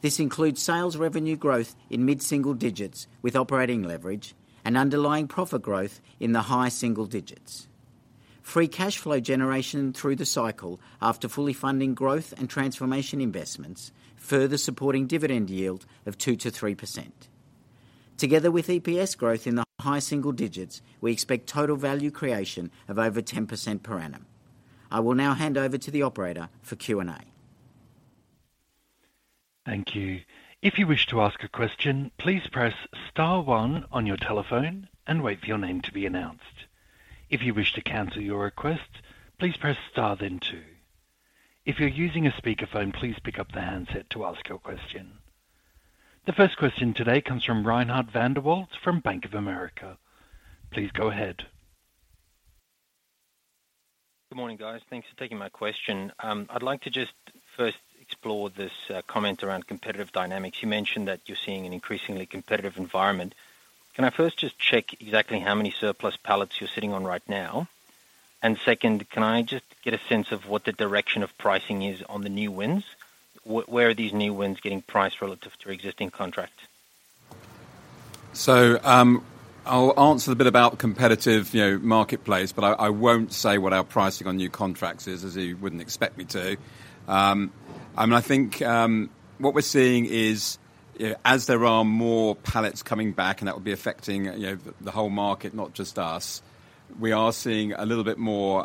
This includes sales revenue growth in mid-single digits, with operating leverage and underlying profit growth in the high single digits. Free cash flow generation through the cycle after fully funding growth and transformation investments, further supporting dividend yield of 2%-3%. Together with EPS growth in the high single digits, we expect total value creation of over 10% per annum. I will now hand over to the operator for Q&A. Thank you. If you wish to ask a question, please press star one on your telephone and wait for your name to be announced. If you wish to cancel your request, please press star, then two. If you're using a speakerphone, please pick up the handset to ask your question. The first question today comes from Reinhardt van der Walt from Bank of America. Please go ahead. Good morning, guys. Thanks for taking my question. I'd like to just first explore this, comment around competitive dynamics. You mentioned that you're seeing an increasingly competitive environment. Can I first just check exactly how many surplus pallets you're sitting on right now? And second, can I just get a sense of what the direction of pricing is on the new wins? Where are these new wins getting priced relative to existing contracts? So, I'll answer the bit about competitive, you know, marketplace, but I won't say what our pricing on new contracts is, as you wouldn't expect me to. I mean, I think what we're seeing is, as there are more pallets coming back, and that would be affecting, you know, the whole market, not just us. We are seeing a little bit more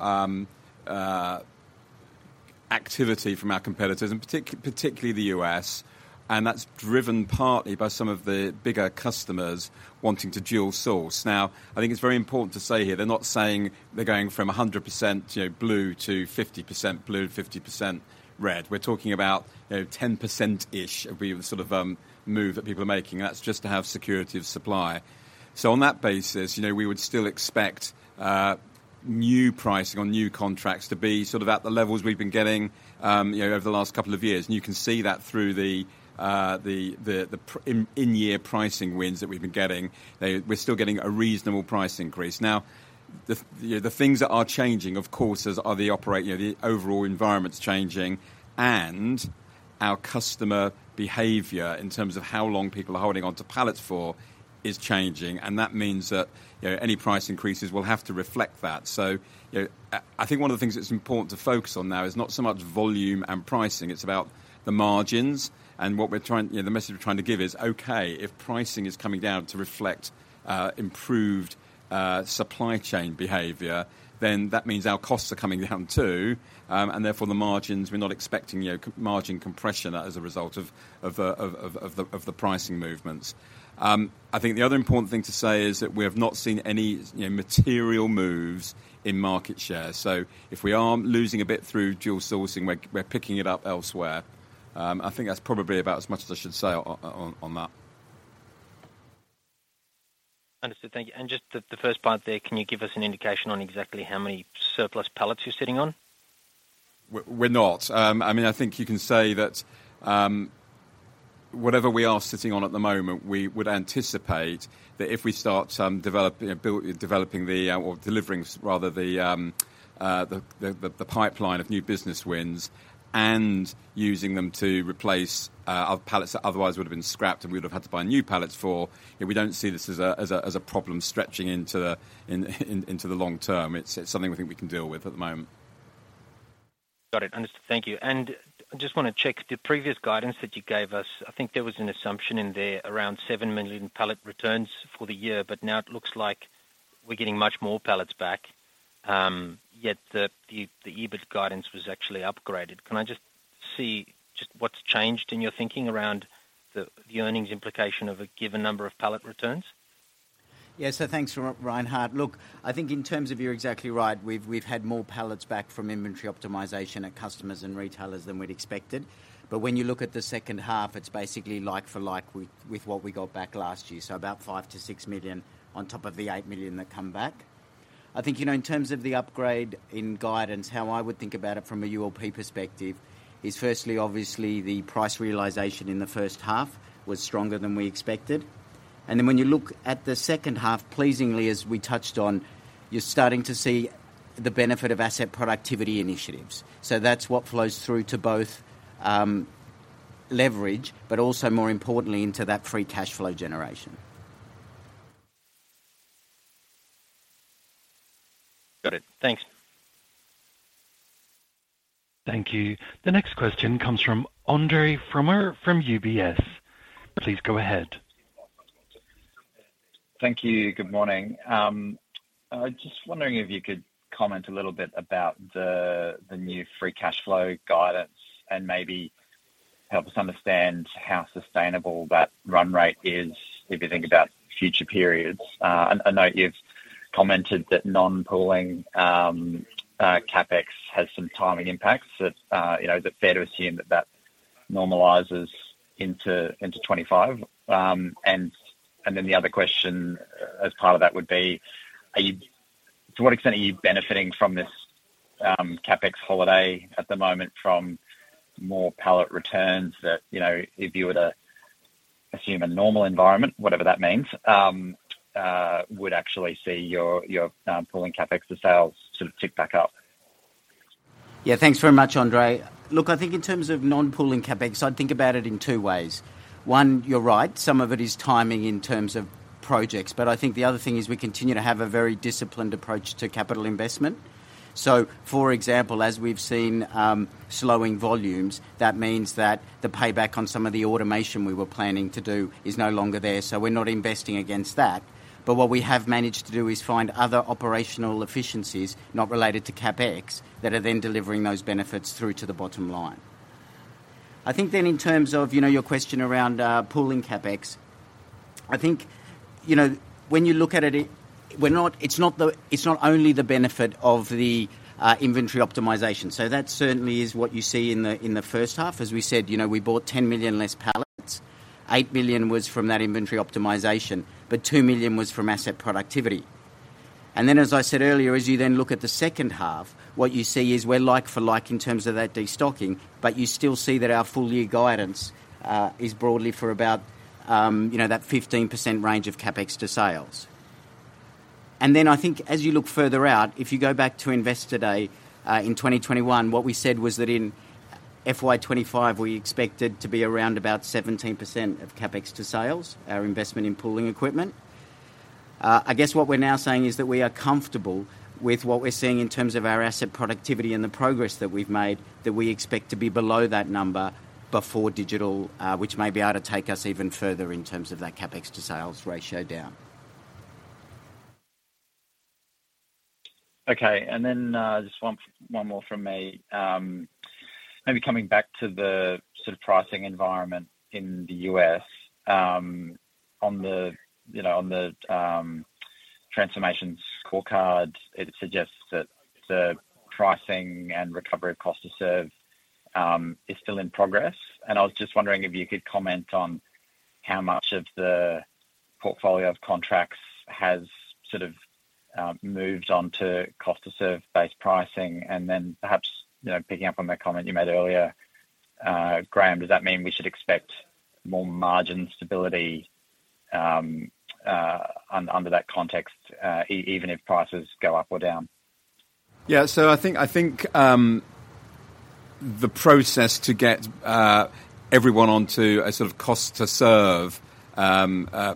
activity from our competitors, and particularly the U.S., and that's driven partly by some of the bigger customers wanting to dual source. Now, I think it's very important to say here, they're not saying they're going from 100%, you know, blue to 50% blue, 50% red. We're talking about, you know, 10%-ish of the sort of moves that people are making, and that's just to have security of supply. So on that basis, you know, we would still expect new pricing on new contracts to be sort of at the levels we've been getting, you know, over the last couple of years. And you can see that through the in-year pricing wins that we've been getting. We're still getting a reasonable price increase. Now, you know, the things that are changing, of course, are the overall environment's changing and our customer behavior in terms of how long people are holding onto pallets for is changing, and that means that, you know, any price increases will have to reflect that. So, I think one of the things that's important to focus on now is not so much volume and pricing. It's about the margins and what we're trying, you know, the message we're trying to give is, okay, if pricing is coming down to reflect improved supply chain behavior, then that means our costs are coming down, too. And therefore, the margins, we're not expecting, you know, margin compression as a result of the pricing movements. I think the other important thing to say is that we have not seen any, you know, material moves in market share. So if we are losing a bit through dual sourcing, we're picking it up elsewhere. I think that's probably about as much as I should say on that. Understood. Thank you. And just the first part there, can you give us an indication on exactly how many surplus pallets you're sitting on? We're not. I mean, I think you can say that, whatever we are sitting on at the moment, we would anticipate that if we start developing the or delivering rather the pipeline of new business wins and using them to replace other pallets that otherwise would have been scrapped and we'd have had to buy new pallets for, we don't see this as a problem stretching into the long term. It's something we think we can deal with at the moment. Got it. Understood. Thank you. I just want to check the previous guidance that you gave us. I think there was an assumption in there around 7 million pallet returns for the year, but now it looks like we're getting much more pallets back. Yet the EBIT guidance was actually upgraded. Can I just see what's changed in your thinking around the earnings implication of a given number of pallet returns? Yeah. So thanks, Reinhardt. Look, I think in terms of you're exactly right. We've, we've had more pallets back from inventory optimization at customers and retailers than we'd expected. But when you look at the second half, it's basically like for like with, with what we got back last year. So about 5 million-6 million on top of the 8 million that come back.... I think, you know, in terms of the upgrade in guidance, how I would think about it from a ULP perspective is firstly, obviously, the price realization in the first half was stronger than we expected. And then when you look at the second half, pleasingly, as we touched on, you're starting to see the benefit of asset productivity initiatives. So that's what flows through to both, leverage, but also more importantly, into that free cash flow generation. Got it. Thanks. Thank you. The next question comes from Andre Fromyhr from UBS. Please go ahead. Thank you. Good morning. I just wondering if you could comment a little bit about the new free cash flow guidance and maybe help us understand how sustainable that run rate is if you think about future periods. I know you've commented that non-pooling CapEx has some timing impacts that you know is it fair to assume that that normalizes into 2025? And then the other question as part of that would be, to what extent are you benefiting from this CapEx holiday at the moment from more pallet returns that you know if you were to assume a normal environment, whatever that means, would actually see your pooling CapEx to sales sort of tick back up? Yeah, thanks very much, Andre. Look, I think in terms of non-pooling CapEx, I'd think about it in two ways. One, you're right, some of it is timing in terms of projects. But I think the other thing is we continue to have a very disciplined approach to capital investment. So for example, as we've seen, slowing volumes, that means that the payback on some of the automation we were planning to do is no longer there, so we're not investing against that. But what we have managed to do is find other operational efficiencies, not related to CapEx, that are then delivering those benefits through to the bottom line. I think then in terms of, you know, your question around, pooling CapEx, I think, you know, when you look at it, it's not only the benefit of the inventory optimization. That certainly is what you see in the first half. As we said, you know, we bought 10 million less pallets. 8 million was from that inventory optimization, but 2 million was from asset productivity. Then, as I said earlier, as you then look at the second half, what you see is we're like for like in terms of that destocking, but you still see that our full-year guidance is broadly for about, you know, that 15% range of CapEx to sales. Then I think as you look further out, if you go back to Investor Day in 2021, what we said was that in FY 2025, we expected to be around about 17% of CapEx to sales, our investment in pooling equipment. I guess what we're now saying is that we are comfortable with what we're seeing in terms of our asset productivity and the progress that we've made, that we expect to be below that number before digital, which may be able to take us even further in terms of that CapEx to sales ratio down. Okay, and then just one more from me. Maybe coming back to the sort of pricing environment in the U.S.. On the, you know, transformations scorecard, it suggests that the pricing and recovery of Cost to Serve is still in progress. And I was just wondering if you could comment on how much of the portfolio of contracts has sort of moved on to Cost to Serve-based pricing, and then perhaps, you know, picking up on that comment you made earlier, Graham, does that mean we should expect more margin stability under that context, even if prices go up or down? Yeah. So I think the process to get everyone onto a sort of Cost to Serve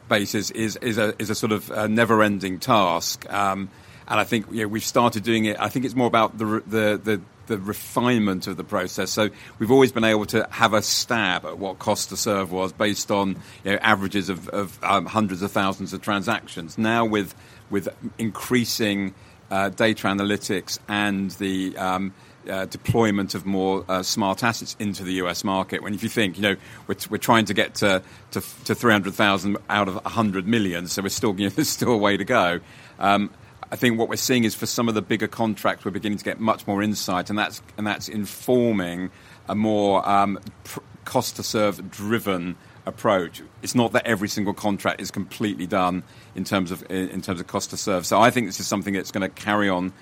basis is a sort of a never-ending task. And I think, you know, we've started doing it. I think it's more about the refinement of the process. So we've always been able to have a stab at what Cost to Serve was based on, you know, averages of hundreds of thousands of transactions. Now, with increasing data analytics and the deployment of more smart assets into the U.S. market, if you think, you know, we're trying to get to 300,000 out of 100 million, so we're still, there's still a way to go. I think what we're seeing is for some of the bigger contracts, we're beginning to get much more insight, and that's, and that's informing a more, Cost to Serve driven approach. It's not that every single contract is completely done in terms of, in terms of Cost to Serve. So I think this is something that's gonna carry on,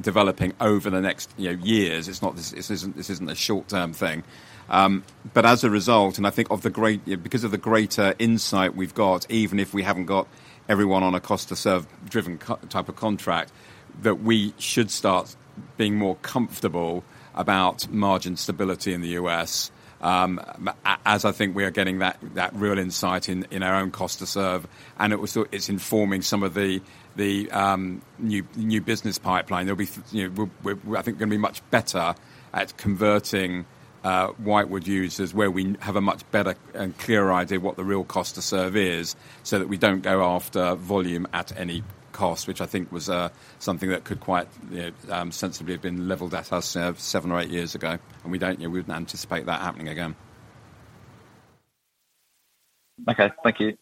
developing over the next, you know, years. It's not this... This isn't, this isn't a short-term thing. But as a result, and I think because of the greater insight we've got, even if we haven't got everyone on a Cost to Serve driven type of contract, that we should start being more comfortable about margin stability in the U.S. As I think we are getting that real insight into our own Cost to Serve, and it's informing some of the new business pipeline. There'll be, you know, we're gonna be much better at converting Whitewood users, where we have a much better and clearer idea what the real Cost to Serve is, so that we don't go after volume at any cost, which I think was something that could quite sensibly have been leveled at us seven or eight years ago, and we wouldn't anticipate that happening again. Okay. Thank you.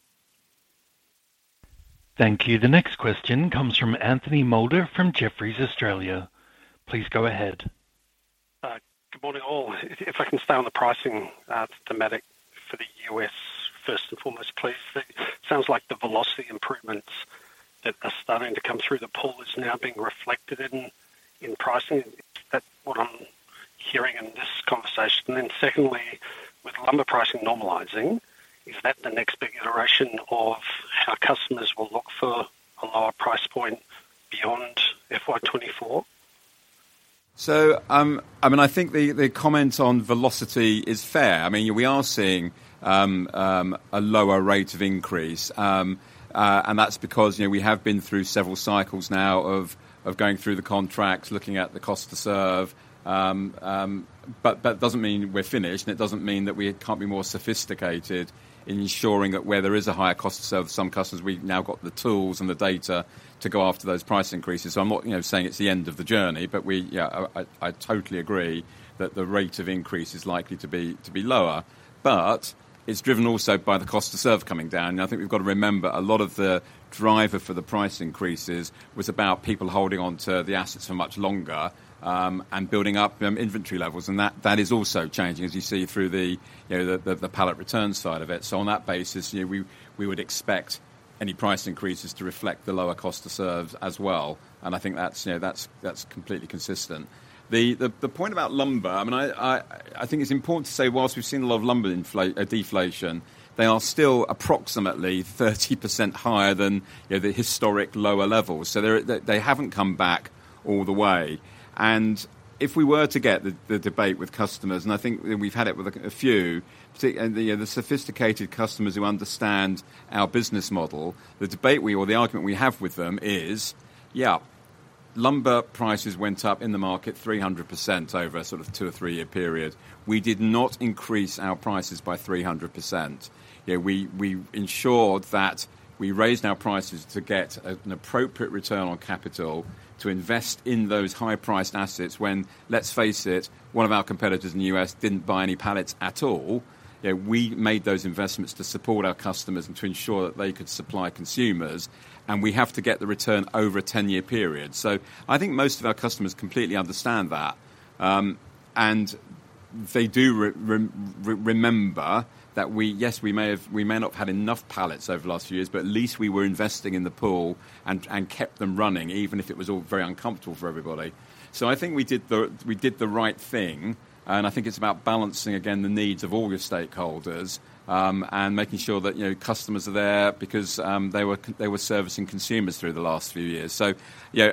Thank you. The next question comes from Anthony Moulder from Jefferies Australia. Please go ahead.... Good morning, all. If, if I can stay on the pricing, thematic for the U.S., first and foremost, please. It sounds like the velocity improvements that are starting to come through the pool is now being reflected in, in pricing. Is that what I'm hearing in this conversation? And then secondly, with lumber pricing normalizing, is that the next big iteration of how customers will look for a lower price point beyond FY 2024? So, I mean, I think the comment on velocity is fair. I mean, we are seeing a lower rate of increase. That's because, you know, we have been through several cycles now of going through the contracts, looking at the cost to serve. But that doesn't mean we're finished, and it doesn't mean that we can't be more sophisticated in ensuring that where there is a higher cost to serve some customers, we've now got the tools and the data to go after those price increases. So I'm not, you know, saying it's the end of the journey, but we, yeah, I totally agree that the rate of increase is likely to be lower, but it's driven also by the cost to serve coming down. I think we've got to remember, a lot of the driver for the price increases was about people holding on to the assets for much longer, and building up inventory levels, and that, that is also changing, as you see through the, you know, the pallet return side of it. So on that basis, you know, we would expect any price increases to reflect the lower cost to serve as well, and I think that's, you know, that's completely consistent. The point about lumber, I mean, I think it's important to say, while we've seen a lot of lumber inflation, deflation, they are still approximately 30% higher than, you know, the historic lower levels. So they're, they haven't come back all the way. If we were to get the debate with customers, and I think we've had it with a few, particularly the sophisticated customers who understand our business model, the debate or the argument we have with them is: yeah, lumber prices went up in the market 300% over a sort of two- or three-year period. We did not increase our prices by 300%. You know, we ensured that we raised our prices to get an appropriate return on capital to invest in those high-priced assets, when, let's face it, one of our competitors in the U.S. didn't buy any pallets at all, you know, we made those investments to support our customers and to ensure that they could supply consumers, and we have to get the return over a 10-year period. So I think most of our customers completely understand that. And they do remember that we... Yes, we may have-- we may not have had enough pallets over the last few years, but at least we were investing in the pool and kept them running, even if it was all very uncomfortable for everybody. So I think we did the right thing, and I think it's about balancing again the needs of all your stakeholders, and making sure that, you know, customers are there because they were servicing consumers through the last few years. So, yeah,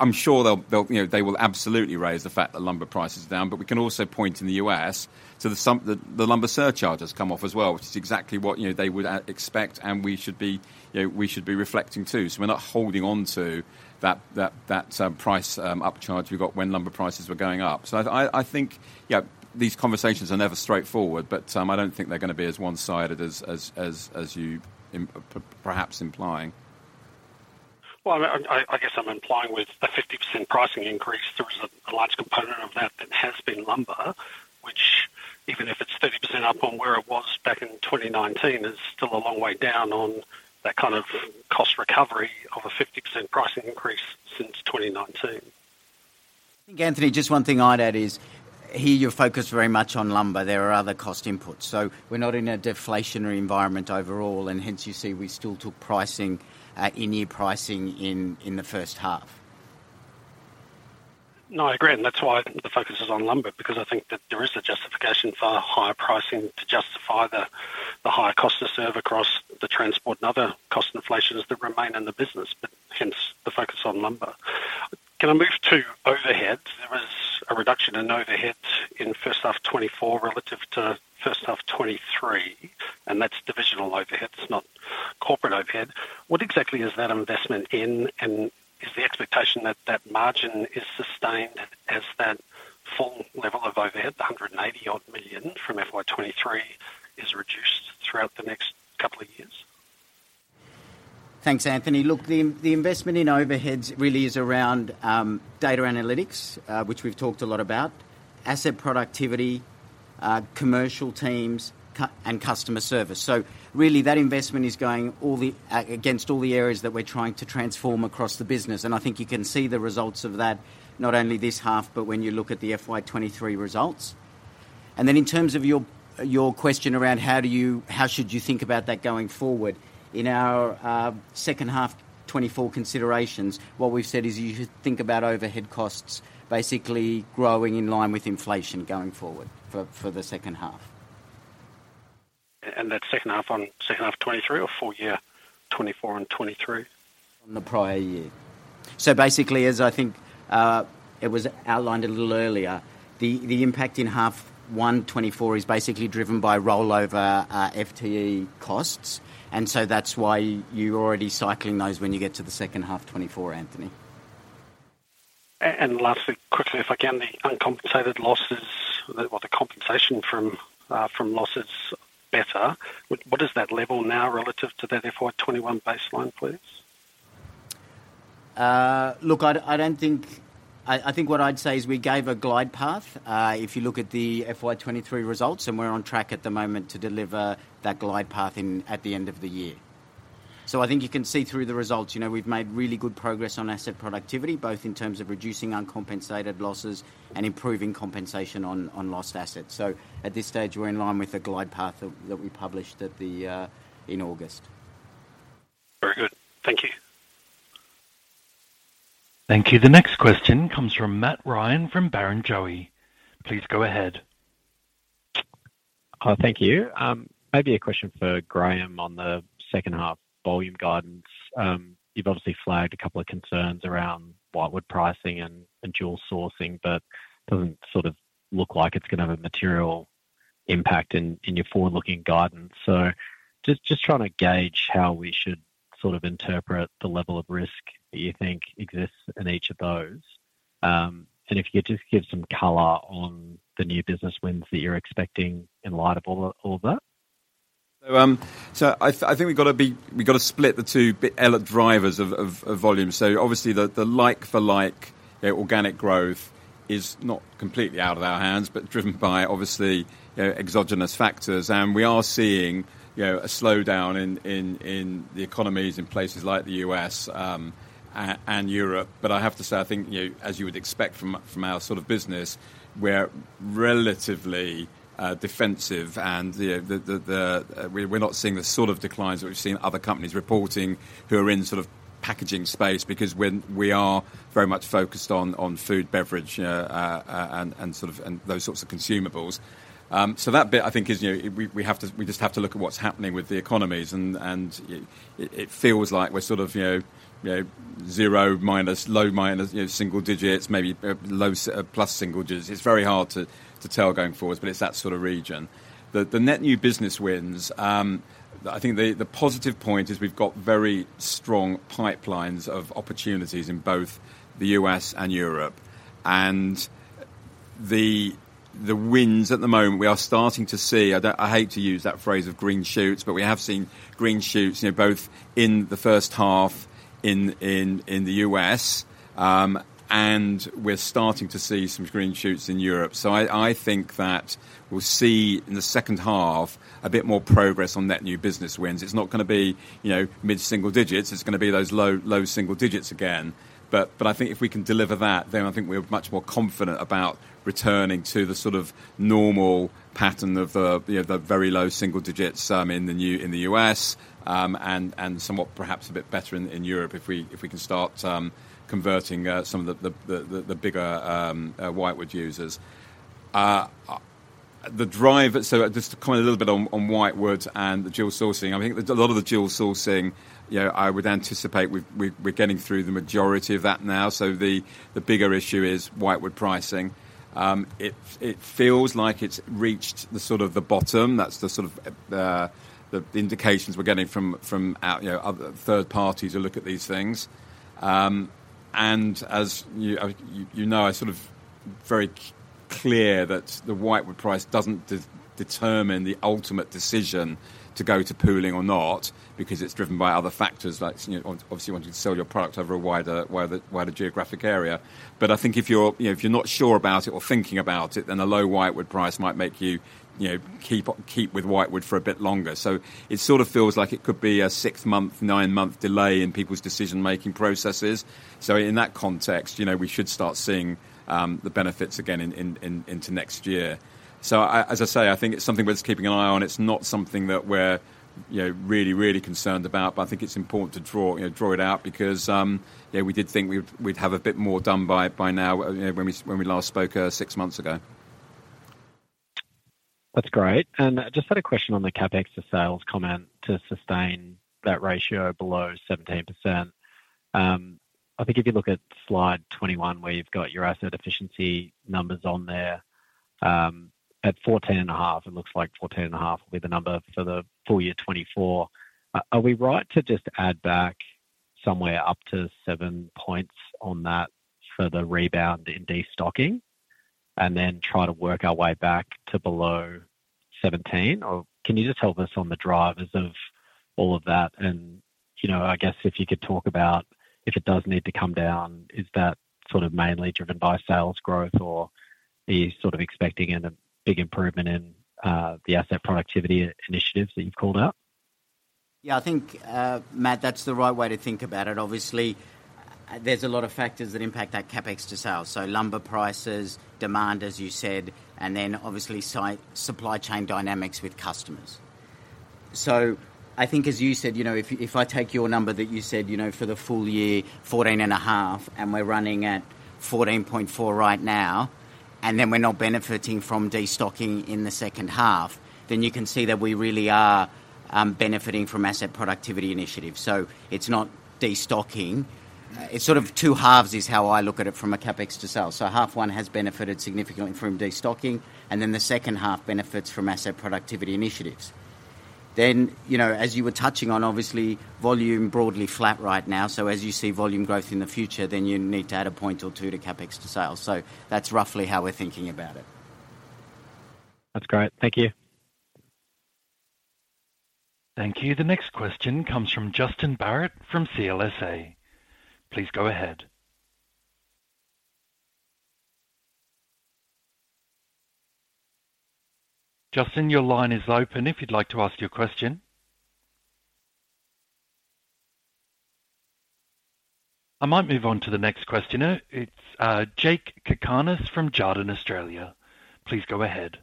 I'm sure they'll, you know, they will absolutely raise the fact that lumber price is down, but we can also point to the U.S.. So the lumber surcharge has come off as well, which is exactly what, you know, they would expect, and we should be, you know, we should be reflecting, too. So we're not holding on to that price upcharge we got when lumber prices were going up. So I think, yeah, these conversations are never straightforward, but I don't think they're going to be as one-sided as you're perhaps implying. Well, I guess I'm implying with a 50% pricing increase, there is a large component of that that has been lumber, which even if it's 30% up on where it was back in 2019, is still a long way down on that kind of cost recovery of a 50% pricing increase since 2019. I think, Anthony, just one thing I'd add is here you're focused very much on lumber. There are other cost inputs, so we're not in a deflationary environment overall, and hence, you see, we still took pricing in the first half. No, I agree, and that's why the focus is on lumber, because I think that there is a justification for higher pricing to justify the higher cost to serve across the transport and other cost inflations that remain in the business, but hence the focus on lumber. Can I move to overhead? There was a reduction in overhead in first half 2024 relative to first half 2023, and that's divisional overheads, not corporate overhead. What exactly is that investment in, and is the expectation that that margin is sustained as that full level of overhead, the $180-odd million from FY 2023, is reduced throughout the next couple of years? Thanks, Anthony. Look, the investment in overheads really is around data analytics, which we've talked a lot about, asset productivity, commercial teams, and customer service. So really, that investment is going all the against all the areas that we're trying to transform across the business, and I think you can see the results of that, not only this half, but when you look at the FY 2023 results. And then in terms of your question around how do you-- how should you think about that going forward? In our second half 2024 considerations, what we've said is you should think about overhead costs basically growing in line with inflation going forward for the second half. That's second half on second half 2023 or full year 2024 and 2023? On the prior year. So basically, as I think, it was outlined a little earlier, the impact in half one 2024 is basically driven by rollover FTE costs, and so that's why you're already cycling those when you get to the second half 2024, Anthony. And lastly, quickly, if I can, the uncompensated losses, or the compensation from, from loss is better. What, what is that level now relative to that FY 2021 baseline, please? Look, I don't think... I think what I'd say is we gave a glide path. If you look at the FY 2023 results, and we're on track at the moment to deliver that glide path in, at the end of the year. So I think you can see through the results, you know, we've made really good progress on asset productivity, both in terms of reducing uncompensated losses and improving compensation on lost assets. So at this stage, we're in line with the glide path that we published at the in August. Very good. Thank you. Thank you. The next question comes from Matt Ryan from Barrenjoey. Please go ahead. Thank you. Maybe a question for Graham on the second half volume guidance. You've obviously flagged a couple of concerns around Whitewood pricing and dual sourcing, but doesn't sort of look like it's gonna have a material impact in your forward-looking guidance. So just trying to gauge how we should sort of interpret the level of risk that you think exists in each of those. And if you could just give some color on the new business wins that you're expecting in light of all of that. So, I think we've got to be—we've got to split the two-bit element drivers of volume. So obviously, the like-for-like, the organic growth is not completely out of our hands, but driven by obviously, exogenous factors. And we are seeing, you know, a slowdown in the economies in places like the U.S., and Europe. But I have to say, I think you, as you would expect from our sort of business, we're relatively defensive and we're not seeing the sort of declines that we've seen other companies reporting who are in sort of packaging space, because we are very much focused on food, beverage, and those sorts of consumables. So that bit, I think, is, you know, we have to, we just have to look at what's happening with the economies and it feels like we're sort of, you know, zero minus, low minus, you know, single digits, maybe, low single plus single digits. It's very hard to tell going forward, but it's that sort of region. The net new business wins, I think the positive point is we've got very strong pipelines of opportunities in both the U.S. and Europe. And the wins at the moment, we are starting to see. I don't... I hate to use that phrase of green shoots, but we have seen green shoots, you know, both in the first half in the U.S., and we're starting to see some green shoots in Europe. So I think that we'll see in the second half a bit more progress on net new business wins. It's not gonna be, you know, mid-single digits. It's gonna be those low, low single digits again. But I think if we can deliver that, then I think we're much more confident about returning to the sort of normal pattern of, you know, the very low single digits in the U.S., and somewhat perhaps a bit better in Europe, if we can start converting some of the bigger Whitewood users. The drive, so just to comment a little bit on Whitewoods and the dual sourcing, I think a lot of the dual sourcing, you know, I would anticipate we're getting through the majority of that now. So the bigger issue is Whitewood pricing. It feels like it's reached the sort of the bottom, that's the sort of the indications we're getting from out, you know, other third parties who look at these things. And as you know, I sort of very clear that the Whitewood price doesn't determine the ultimate decision to go to pooling or not, because it's driven by other factors, like, you know, obviously, you want to sell your product over a wider, wider, wider geographic area. But I think if you're, you know, if you're not sure about it or thinking about it, then a low Whitewood price might make you, you know, keep, keep with Whitewood for a bit longer. So it sort of feels like it could be a six-month, nine-month delay in people's decision-making processes. So in that context, you know, we should start seeing the benefits again into next year. So as I say, I think it's something worth keeping an eye on. It's not something that we're, you know, really, really concerned about, but I think it's important to draw, you know, draw it out because, yeah, we did think we'd have a bit more done by now, you know, when we last spoke six months ago. That's great. Just had a question on the CapEx to sales comment to sustain that ratio below 17%. I think if you look at slide 21, where you've got your asset efficiency numbers on there, at 14.5, it looks like 14.5 will be the number for the full year 2024. Are we right to just add back somewhere up to seven points on that for the rebound in destocking, and then try to work our way back to below 17? Or can you just help us on the drivers of all of that? You know, I guess if you could talk about if it does need to come down, is that sort of mainly driven by sales growth, or are you sort of expecting a big improvement in the asset productivity initiatives that you've called out? Yeah, I think, Matt, that's the right way to think about it. Obviously, there's a lot of factors that impact our CapEx to sales. So lumber prices, demand, as you said, and then obviously, supply chain dynamics with customers. So I think as you said, you know, if, if I take your number that you said, you know, for the full year, 14.5, and we're running at 14.4 right now, and then we're not benefiting from destocking in the second half, then you can see that we really are benefiting from asset productivity initiatives. So it's not destocking. It's sort of two halves, is how I look at it from a CapEx to sales. So half one has benefited significantly from destocking, and then the second half benefits from asset productivity initiatives. Then, you know, as you were touching on, obviously, volume broadly flat right now. So as you see volume growth in the future, then you need to add a point or two to CapEx to sales. So that's roughly how we're thinking about it. That's great. Thank you. Thank you. The next question comes from Justin Barratt from CLSA. Please go ahead.... Justin, your line is open if you'd like to ask your question. I might move on to the next questioner. It's Jakob Cakarnis from Jarden, Australia. Please go ahead.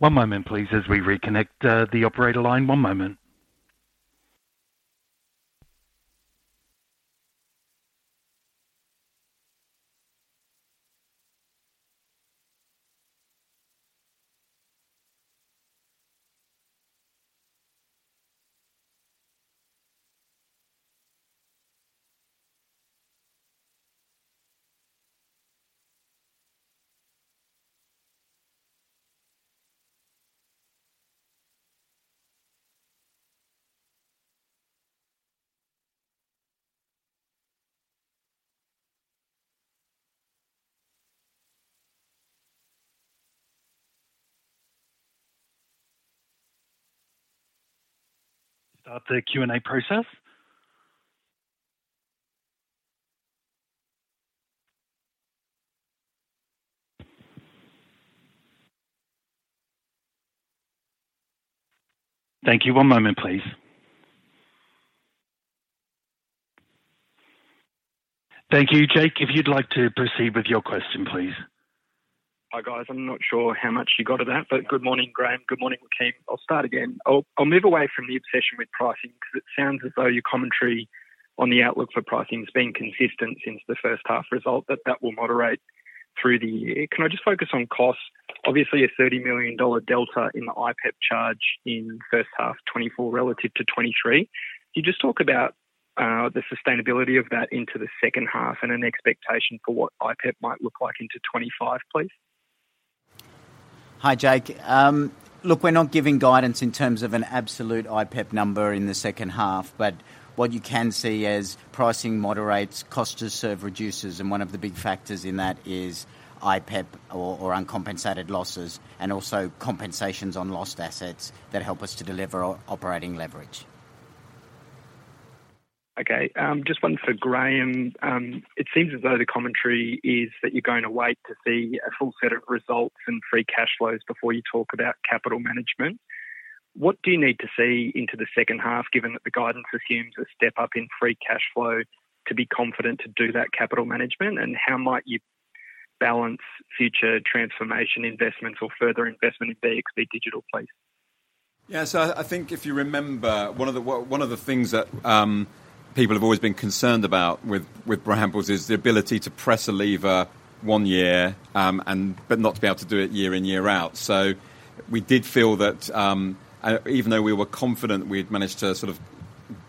One moment, please, as we reconnect the operator line. One moment. Start the Q&A process. Thank you. One moment, please. Thank you. Jake, if you'd like to proceed with your question, please. Hi, guys. I'm not sure how much you got of that, but good morning, Graham. Good morning, Joaquin. I'll start again. I'll move away from the obsession with pricing because it sounds as though your commentary on the outlook for pricing has been consistent since the first half result, that that will moderate through the year. Can I just focus on costs? Obviously, a $30 million delta in the IPEP charge in first half 2024 relative to 2023. Can you just talk about the sustainability of that into the second half and an expectation for what IPEP might look like into 2025, please? Hi, Jake. Look, we're not giving guidance in terms of an absolute IPEP number in the second half, but what you can see as pricing moderates, cost to serve reduces, and one of the big factors in that is IPEP or uncompensated losses and also compensations on lost assets that help us to deliver operating leverage. Okay, just one for Graham. It seems as though the commentary is that you're going to wait to see a full set of results and free cash flows before you talk about capital management. What do you need to see into the second half, given that the guidance assumes a step up in free cash flow to be confident to do that capital management? And how might you balance future transformation investments or further investment in BXB Digital, please? Yeah, so I, I think if you remember, one of the, one of the things that, people have always been concerned about with, with Brambles is the ability to press a lever one year, and but not to be able to do it year in, year out. So we did feel that, even though we were confident we had managed to sort of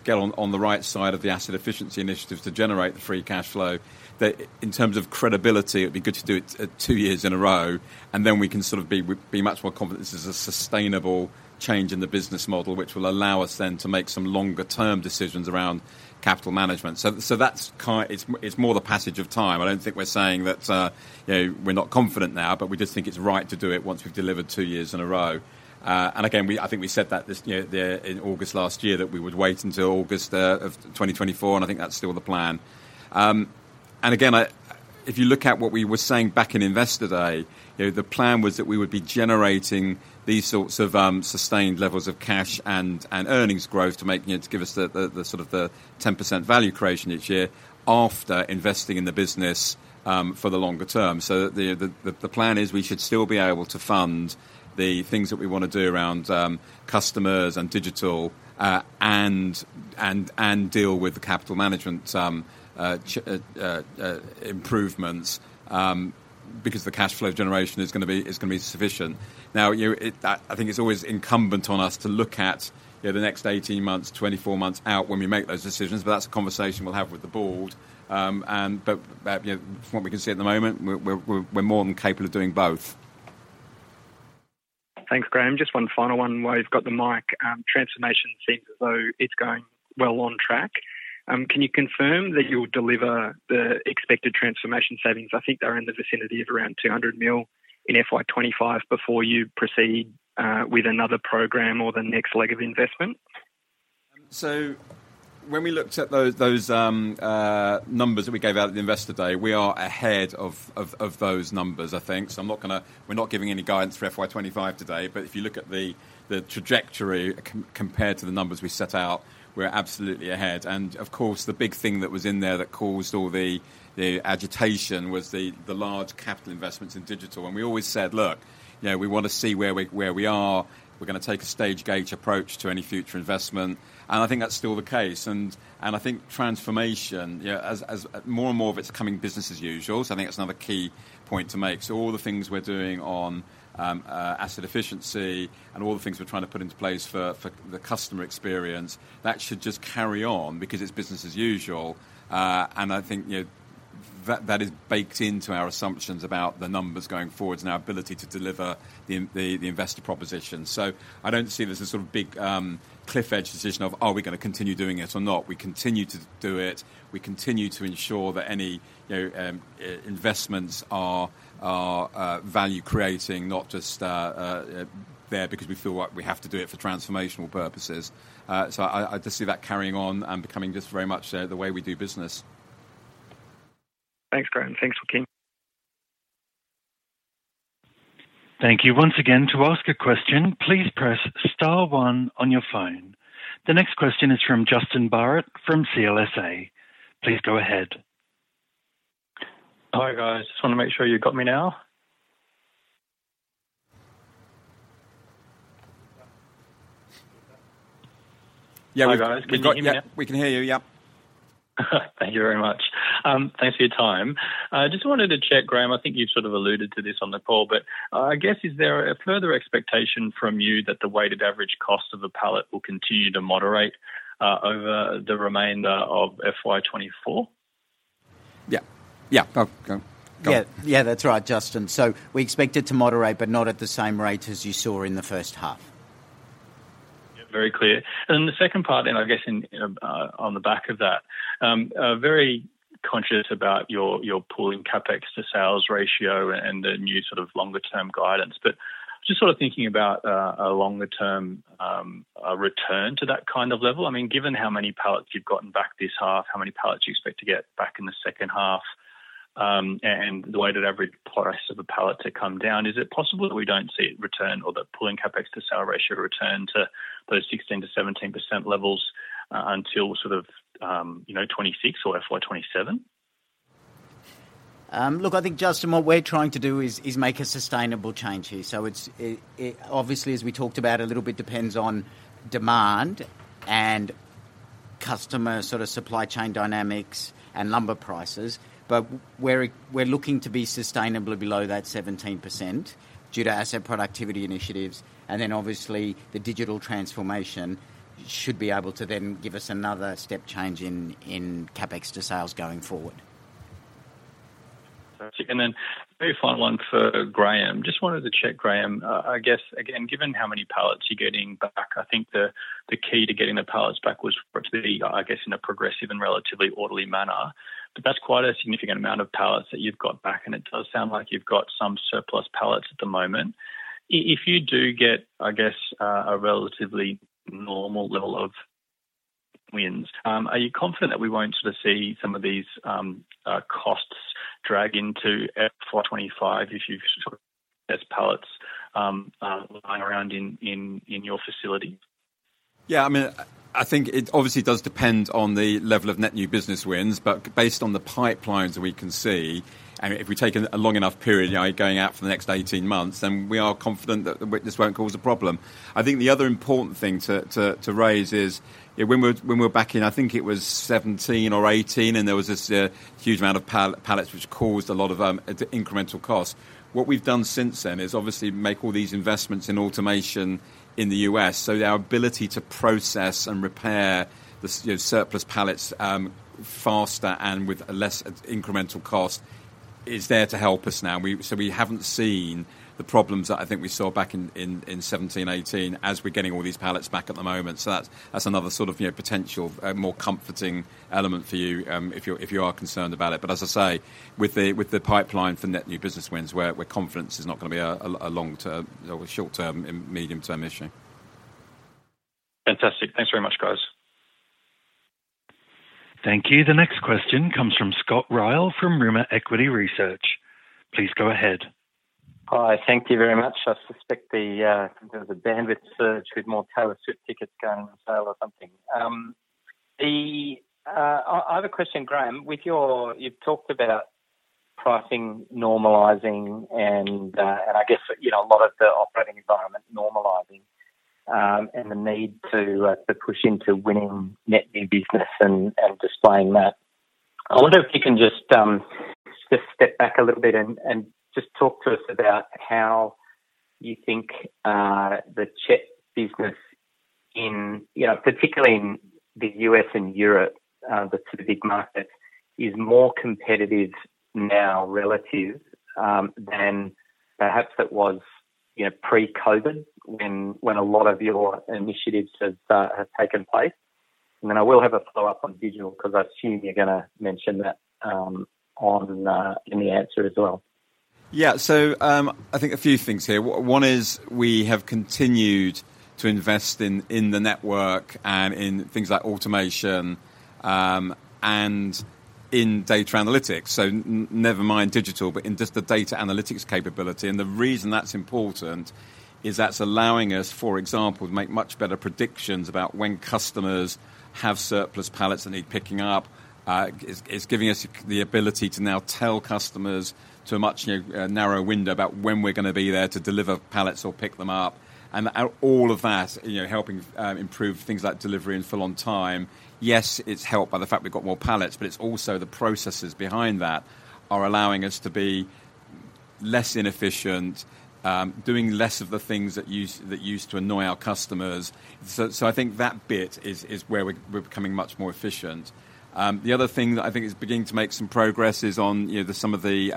get on, on the right side of the asset efficiency initiatives to generate the free cash flow, that in terms of credibility, it'd be good to do it two years in a row, and then we can sort of be, be much more confident this is a sustainable change in the business model, which will allow us then to make some longer-term decisions around capital management. So, so that's key, it's, it's more the passage of time. I don't think we're saying that, you know, we're not confident now, but we just think it's right to do it once we've delivered two years in a row. And again, I think we said that this year, then in August last year, that we would wait until August of 2024, and I think that's still the plan. And again, if you look at what we were saying back in Investor Day, you know, the plan was that we would be generating these sorts of sustained levels of cash and earnings growth to making it to give us the the the sort of the 10% value creation each year after investing in the business for the longer term. So the plan is we should still be able to fund the things that we want to do around customers and digital and deal with the capital management improvements because the cash flow generation is gonna be sufficient. Now, you know, I think it's always incumbent on us to look at, you know, the next 18 months, 24 months out when we make those decisions, but that's a conversation we'll have with the board. But, you know, from what we can see at the moment, we're more than capable of doing both. Thanks, Graham. Just one final one while you've got the mic. Transformation seems as though it's going well on track. Can you confirm that you'll deliver the expected transformation savings? I think they're in the vicinity of around $200 million in FY 2025 before you proceed with another program or the next leg of investment. So when we looked at those numbers that we gave out at the Investor Day, we are ahead of those numbers, I think. So I'm not gonna. We're not giving any guidance for FY 2025 today, but if you look at the trajectory compared to the numbers we set out, we're absolutely ahead. And of course, the big thing that was in there that caused all the agitation was the large capital investments in digital. And we always said, "Look, you know, we want to see where we are. We're gonna take a stage-gate approach to any future investment." And I think that's still the case. And I think transformation, yeah, as more and more of it's coming business as usual, so I think that's another key point to make. So all the things we're doing on asset efficiency and all the things we're trying to put into place for the customer experience, that should just carry on because it's business as usual. And I think, you know, that is baked into our assumptions about the numbers going forward and our ability to deliver the investor proposition. So I don't see it as a sort of big cliff edge decision of are we gonna continue doing it or not? We continue to do it. We continue to ensure that any, you know, investments are value-creating, not just there because we feel like we have to do it for transformational purposes. So I just see that carrying on and becoming just very much the way we do business. Thanks, Graham. Thanks, Joaquin. Thank you. Once again, to ask a question, please press star one on your phone. The next question is from Justin Barratt from CLSA. Please go ahead. Hi, guys. Just wanna make sure you've got me now? Yeah, we got you. We've got you, yeah. We can hear you, yep. Thank you very much. Thanks for your time. Just wanted to check, Graham, I think you've sort of alluded to this on the call, but, I guess, is there a further expectation from you that the weighted average cost of a pallet will continue to moderate over the remainder of FY 2024? Yeah. Yeah, go. Yeah. Yeah, that's right, Justin. So we expect it to moderate, but not at the same rate as you saw in the first half. Yeah, very clear. And then the second part, and I guess in, on the back of that, very conscious about your, your Pooling CapEx to sales ratio and the new sort of longer term guidance, but just sort of thinking about, a longer term, a return to that kind of level. I mean, given how many pallets you've gotten back this half, how many pallets you expect to get back in the second half, and the way that average price of a pallet to come down, is it possible that we don't see it return or the Pooling CapEx to sales ratio return to those 16%-17% levels until sort of, you know, 2026 or FY 2027? Look, I think, Justin, what we're trying to do is make a sustainable change here. So it obviously, as we talked about a little bit, depends on demand and customer sort of supply chain dynamics and lumber prices. But we're looking to be sustainably below that 17% due to asset productivity initiatives, and then obviously, the digital transformation should be able to then give us another step change in CapEx to sales going forward. And then very final one for Graham. Just wanted to check, Graham. I guess, again, given how many pallets you're getting back, I think the key to getting the pallets back was pretty, I guess, in a progressive and relatively orderly manner. But that's quite a significant amount of pallets that you've got back, and it does sound like you've got some surplus pallets at the moment. If you do get, I guess, a relatively normal level of wins, are you confident that we won't sort of see some of these costs drag into FY 2025 if you sort of have pallets lying around in your facility? Yeah, I mean, I think it obviously does depend on the level of net new business wins, but based on the pipelines that we can see, I mean, if we take a long enough period, you know, going out for the next 18 months, then we are confident that this won't cause a problem. I think the other important thing to raise is, when we're back in, I think it was 17 or 18, and there was this huge amount of pallets which caused a lot of incremental costs. What we've done since then is obviously make all these investments in automation in the U.S., so our ability to process and repair the surplus pallets faster and with a less incremental cost is there to help us now. So we haven't seen the problems that I think we saw back in 2017, 2018, as we're getting all these pallets back at the moment. So that's another sort of, you know, potential more comforting element for you, if you are concerned about it. But as I say, with the pipeline for net new business wins, we're confident it's not gonna be a long-term or a short-term and medium-term issue. Fantastic. Thanks very much, guys. Thank you. The next question comes from Scott Ryall, from Rimor Equity Research. Please go ahead. Hi, thank you very much. I suspect the, there was a bandwidth search with more Taylor Swift tickets going on sale or something. The, I have a question, Graham. With your... You've talked about pricing, normalizing, and, and I guess, you know, a lot of the operating environment normalizing, and the need to, to push into winning net new business and, and displaying that. I wonder if you can just, just step back a little bit and, and just talk to us about how you think, the CHEP business in, you know, particularly in the U.S. and Europe, the two big markets, is more competitive now relative, than perhaps it was, you know, pre-COVID, when, when a lot of your initiatives have, have taken place. Then I will have a follow-up on digital, 'cause I assume you're gonna mention that in the answer as well. Yeah. So, I think a few things here. One is we have continued to invest in the network and in things like automation and in data analytics. So never mind digital, but in just the data analytics capability. And the reason that's important is that's allowing us, for example, to make much better predictions about when customers have surplus pallets that need picking up. It's giving us the ability to now tell customers to a much narrow window about when we're gonna be there to deliver pallets or pick them up. And all of that, you know, helping improve things like delivery and fill on time. Yes, it's helped by the fact we've got more pallets, but it's also the processes behind that are allowing us to be-... less inefficient, doing less of the things that use, that used to annoy our customers. So, I think that bit is where we're becoming much more efficient. The other thing that I think is beginning to make some progress is on, you know, some of the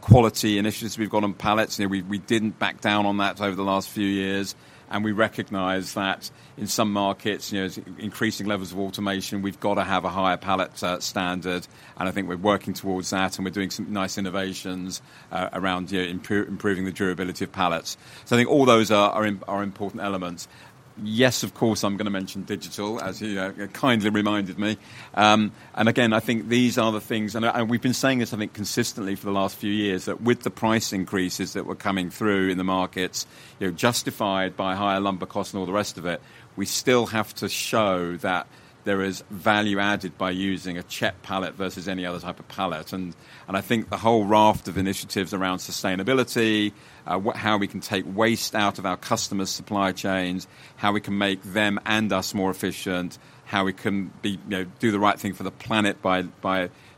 quality initiatives we've got on pallets. You know, we didn't back down on that over the last few years, and we recognize that in some markets, you know, as increasing levels of automation, we've got to have a higher pallet standard, and I think we're working towards that, and we're doing some nice innovations around, you know, improving the durability of pallets. So I think all those are important elements. Yes, of course, I'm gonna mention digital, as you kindly reminded me. And again, I think these are the things, and I, we've been saying this, I think, consistently for the last few years, that with the price increases that were coming through in the markets, you're justified by higher lumber costs and all the rest of it. We still have to show that there is value added by using a CHEP pallet versus any other type of pallet. And I think the whole raft of initiatives around sustainability, how we can take waste out of our customers' supply chains, how we can make them and us more efficient, how we can be, you know, do the right thing for the planet by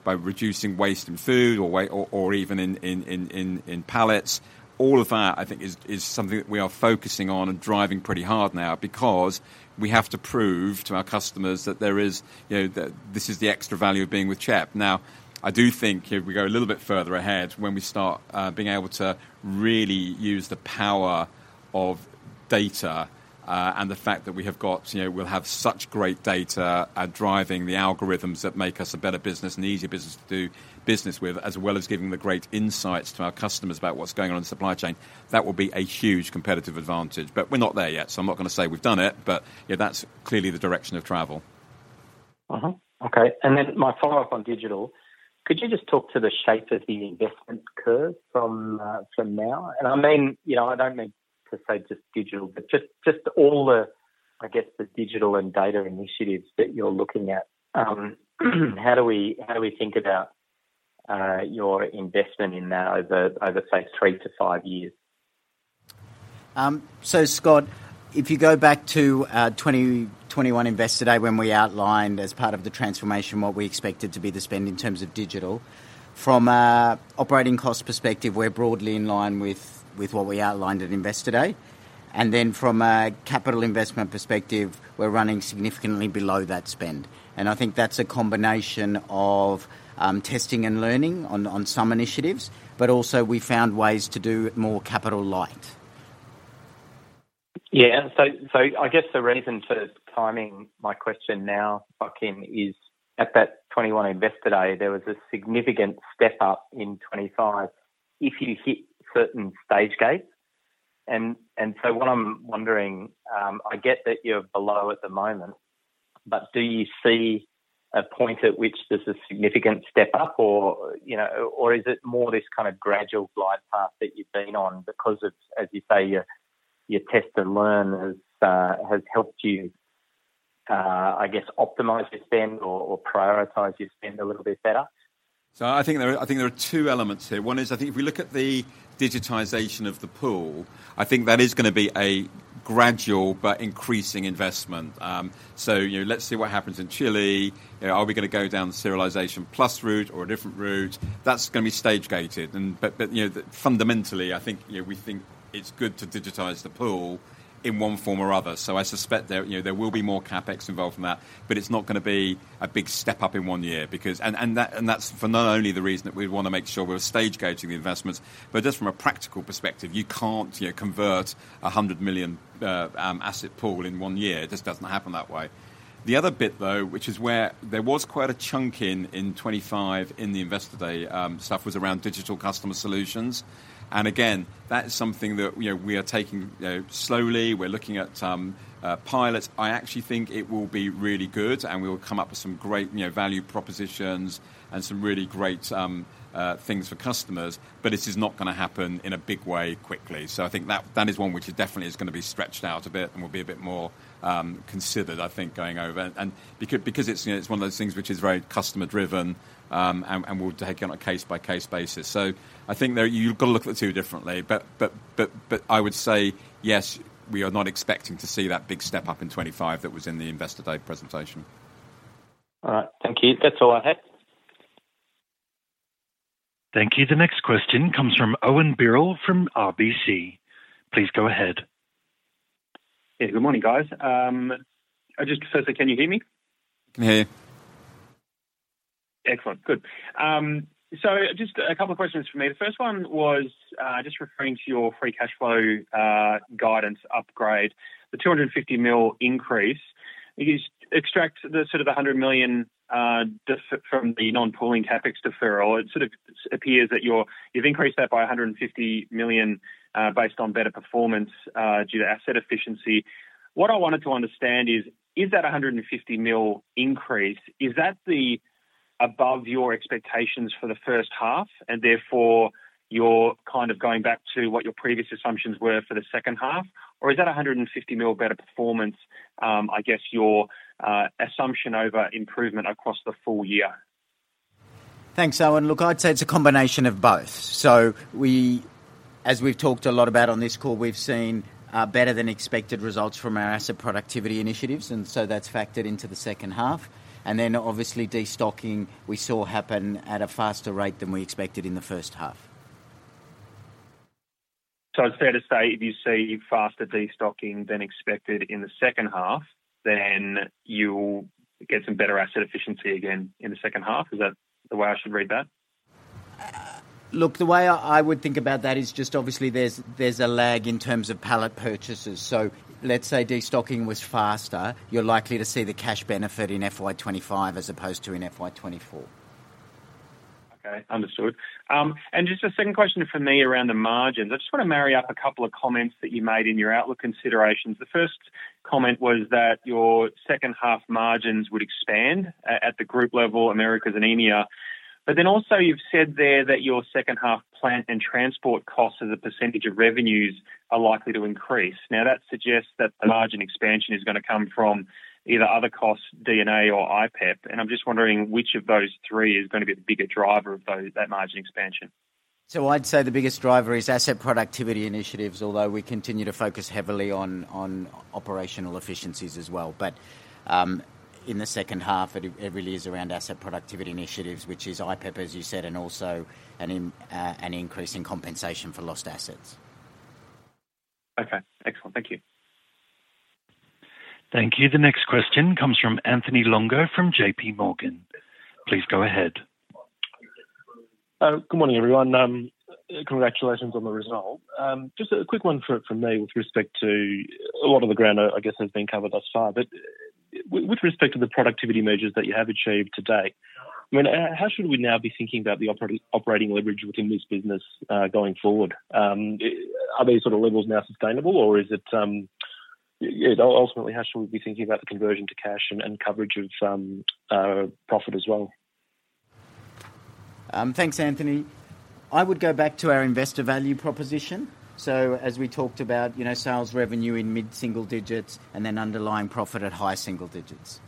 reducing waste in food or waste or even in pallets. All of that, I think, is something that we are focusing on and driving pretty hard now because we have to prove to our customers that there is, you know, that this is the extra value of being with CHEP. Now, I do think if we go a little bit further ahead, when we start being able to really use the power of data and the fact that we have got, you know, we'll have such great data at driving the algorithms that make us a better business and an easier business to do business with, as well as giving the great insights to our customers about what's going on in the supply chain, that will be a huge competitive advantage. But we're not there yet, so I'm not gonna say we've done it, but, yeah, that's clearly the direction of travel. Uh-huh. Okay, and then my follow-up on digital. Could you just talk to the shape of the investment curve from, from now? And I mean, you know, I don't mean to say just digital, but just, just all the, I guess, the digital and data initiatives that you're looking at. How do we, how do we think about, your investment in that over, over, say, three years-five years? So, Scott, if you go back to our 2021 Investor Day, when we outlined as part of the transformation, what we expected to be the spend in terms of digital. From a operating cost perspective, we're broadly in line with what we outlined at Investor Day. And then from a capital investment perspective, we're running significantly below that spend. And I think that's a combination of testing and learning on some initiatives, but also we found ways to do it more capital light. Yeah. So, I guess the reason for timing my question now, Joaquin, is at that 2021 Investor Day, there was a significant step up in 2025 if you hit certain stage gates. And so what I'm wondering, I get that you're below at the moment, but do you see a point at which there's a significant step up, or, you know, or is it more this kind of gradual glide path that you've been on because of, as you say, your test and learn has helped you I guess, optimize your spend or prioritize your spend a little bit better? So I think there are two elements here. One is, I think if we look at the digitization of the pool, I think that is gonna be a gradual but increasing investment. So, you know, let's see what happens in Chile. You know, are we gonna go down the Serialization+ route or a different route? That's gonna be stage-gated. But, you know, fundamentally, I think, you know, we think it's good to digitize the pool in one form or other. So I suspect there, you know, there will be more CapEx involved in that, but it's not gonna be a big step up in one year. Because... And that's for not only the reason that we want to make sure we're stage-gating the investments, but just from a practical perspective, you can't, you know, convert a 100 million asset pool in one year. It just doesn't happen that way. The other bit, though, which is where there was quite a chunk in 2025 in the Investor Day stuff, was around digital customer solutions. And again, that is something that, you know, we are taking, you know, slowly. We're looking at pilots. I actually think it will be really good, and we will come up with some great, you know, value propositions and some really great things for customers, but it is not gonna happen in a big way quickly. So I think that that is one which is definitely gonna be stretched out a bit and will be a bit more considered, I think, going over. And because it's, you know, it's one of those things which is very customer-driven, and we'll take it on a case-by-case basis. So I think there you've got to look at the two differently. But I would say, yes, we are not expecting to see that big step up in 25 that was in the Investor Day presentation. All right. Thank you. That's all I had. Thank you. The next question comes from Owen Birrell from RBC. Please go ahead. Yeah, good morning, guys. Just so, can you hear me? Yeah. Excellent. Good. So just a couple of questions from me. The first one was, just referring to your free cash flow, guidance upgrade, the $250 million increase. You extract the sort of a $100 million from the non-pooling CapEx deferral. It sort of appears that you're, you've increased that by a $150 million, based on better performance, due to asset efficiency. What I wanted to understand is, is that a $150 million increase, is that the above your expectations for the first half, and therefore, you're kind of going back to what your previous assumptions were for the second half? Or is that a $150 million better performance, I guess your, assumption over improvement across the full year? Thanks, Owen. Look, I'd say it's a combination of both. So as we've talked a lot about on this call, we've seen better than expected results from our asset productivity initiatives, and so that's factored into the second half. And then obviously, destocking, we saw happen at a faster rate than we expected in the first half. It's fair to say if you see faster destocking than expected in the second half, then you'll get some better asset efficiency again in the second half? Is that the way I should read that? Look, the way I would think about that is just obviously there's a lag in terms of pallet purchases. So let's say destocking was faster, you're likely to see the cash benefit in FY 2025 as opposed to in FY 2024. Okay, understood. And just a second question for me around the margins. I just wanna marry up a couple of comments that you made in your outlook considerations. The first comment was that your second half margins would expand at the group level, Americas and EMEA. But then also you've said there that your second half plant and transport costs as a percentage of revenues are likely to increase. Now, that suggests that the margin expansion is gonna come from either other costs, D&A or IPEP. And I'm just wondering which of those three is gonna be the bigger driver of that margin expansion? So I'd say the biggest driver is asset productivity initiatives, although we continue to focus heavily on operational efficiencies as well. In the second half, it really is around asset productivity initiatives, which is IPEP, as you said, and also an increase in compensation for lost assets. Okay, excellent. Thank you. Thank you. The next question comes from Anthony Longo of JP Morgan. Please go ahead. Good morning, everyone. Congratulations on the result. Just a quick one from me with respect to... A lot of the ground, I guess, has been covered thus far, but with respect to the productivity measures that you have achieved today, I mean, how should we now be thinking about the operating leverage within this business going forward? Are these sort of levels now sustainable or is it ultimately how should we be thinking about the conversion to cash and coverage of profit as well? Thanks, Anthony. I would go back to our investor value proposition. So as we talked about, you know, sales revenue in mid-single digits and then underlying profit at high single digits. Please stand by.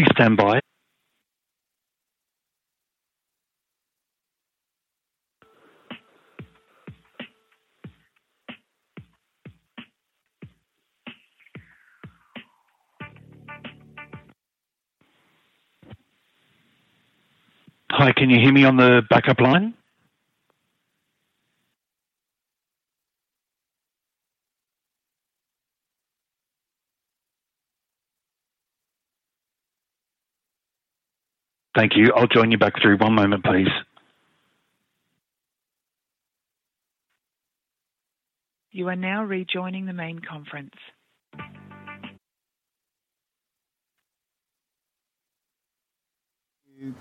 Hi, can you hear me on the backup line? Thank you. I'll join you back through. One moment, please. You are now rejoining the main conference.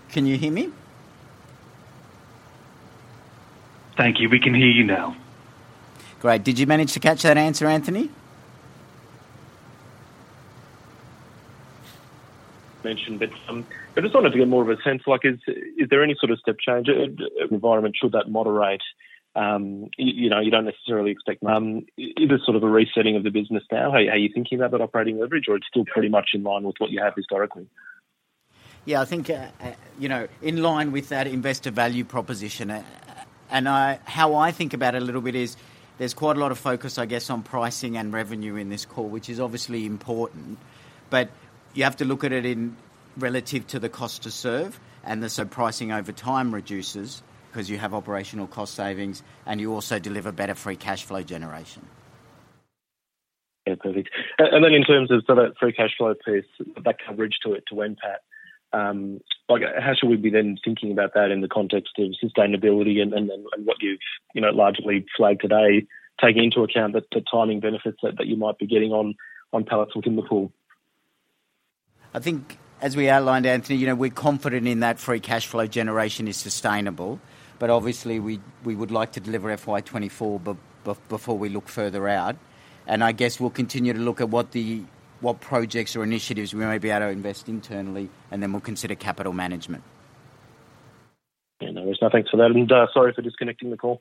Can you hear me? Thank you. We can hear you now. Great. Did you manage to catch that answer, Anthony? I just wanted to get more of a sense, like, is, is there any sort of step change environment, should that moderate? You, you know, you don't necessarily expect, is it sort of a resetting of the business now? How, how are you thinking about that operating leverage, or it's still pretty much in line with what you have historically? Yeah, I think, you know, in line with that investor value proposition, and how I think about it a little bit is there's quite a lot of focus, I guess, on pricing and revenue in this call, which is obviously important, but you have to look at it in relation to the Cost to Serve, and so the pricing over time reduces because you have operational cost savings, and you also deliver better free cash flow generation. Yeah, perfect. And then in terms of sort of free cash flow piece, that coverage to it, to NPAT, like, how should we be then thinking about that in the context of sustainability and, and, and what you've, you know, largely flagged today, taking into account the, the timing benefits that, that you might be getting on, on pallets within the pool? I think as we outlined, Anthony, you know, we're confident in that free cash flow generation is sustainable, but obviously, we would like to deliver FY 2024 before we look further out. And I guess we'll continue to look at what projects or initiatives we may be able to invest internally, and then we'll consider capital management. Yeah, no, there's nothing to that. Sorry for disconnecting the call.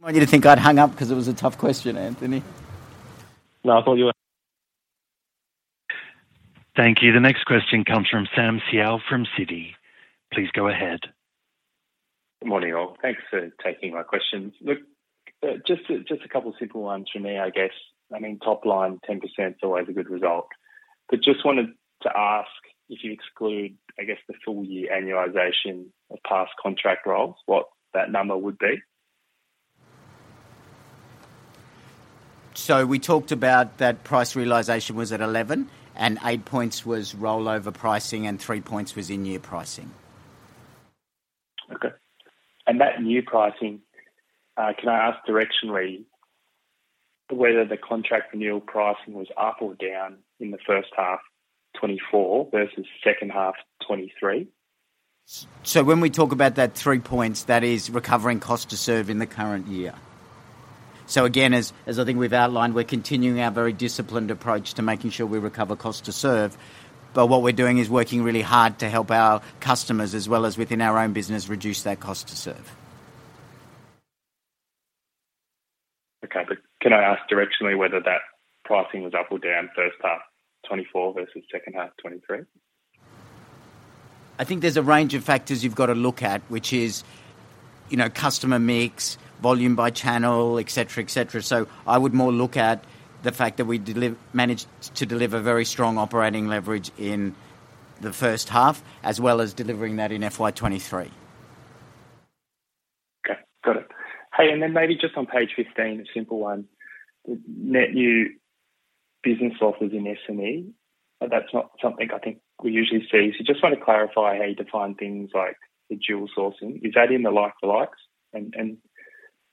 I want you to think I'd hung up 'cause it was a tough question, Anthony. No, I thought you were- Thank you. The next question comes from Sam Seow from Citi. Please go ahead. Good morning, all. Thanks for taking my questions. Look, just a, just a couple simple ones from me, I guess. I mean, top line, 10% is always a good result. But just wanted to ask if you exclude, I guess, the full year annualization of past contract roles, what that number would be? We talked about that price realization was at 11, and eight points was rollover pricing, and three points was in-year pricing.... Okay. And that new pricing, can I ask directionally whether the contract renewal pricing was up or down in the first half 2024 versus second half 2023? So when we talk about that three points, that is recovering Cost to Serve in the current year. So again, as I think we've outlined, we're continuing our very disciplined approach to making sure we recover Cost to Serve, but what we're doing is working really hard to help our customers, as well as within our own business, reduce that Cost to Serve. Okay, but can I ask directionally whether that pricing was up or down first half 2024 versus second half 2023? I think there's a range of factors you've got to look at, which is, you know, customer mix, volume by channel, et cetera, et cetera. So I would more look at the fact that we managed to deliver very strong operating leverage in the first half, as well as delivering that in FY 2023. Okay, got it. Hey, and then maybe just on page 15, a simple one. Net new business offers in SME, that's not something I think we usually see. So just want to clarify how you define things like the dual sourcing. Is that in the like to likes? And,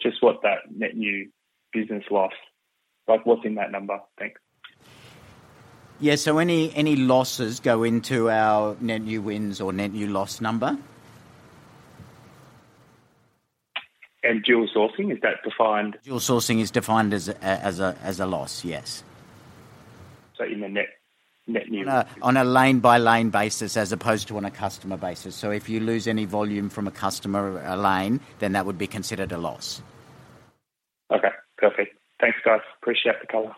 and just what that net new business loss, like, what's in that number? Thanks. Yeah, so any losses go into our net new wins or net new loss number. Dual sourcing, is that defined? Dual sourcing is defined as a loss, yes. So in the net, net new- On a lane-by-lane basis, as opposed to on a customer basis. So if you lose any volume from a customer, a lane, then that would be considered a loss. Okay, perfect. Thanks, guys. Appreciate the color.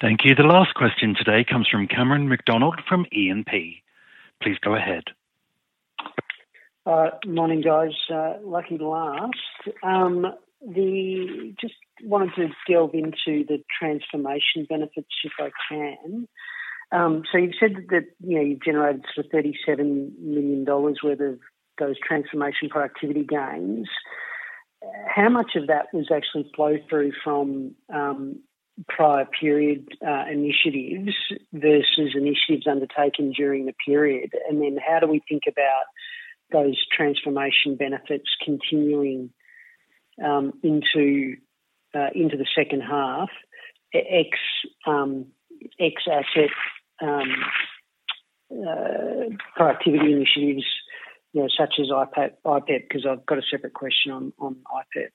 Thank you. The last question today comes from Cameron McDonald from E&P. Please go ahead. Morning, guys. Lucky last. Just wanted to delve into the transformation benefits, if I can. So you've said that, you know, you've generated sort of $37 million worth of those transformation productivity gains. How much of that was actually flow through from prior period initiatives versus initiatives undertaken during the period? And then how do we think about those transformation benefits continuing into the second half, ex asset productivity initiatives, you know, such as IPEP, IPEP? Because I've got a separate question on IPEP.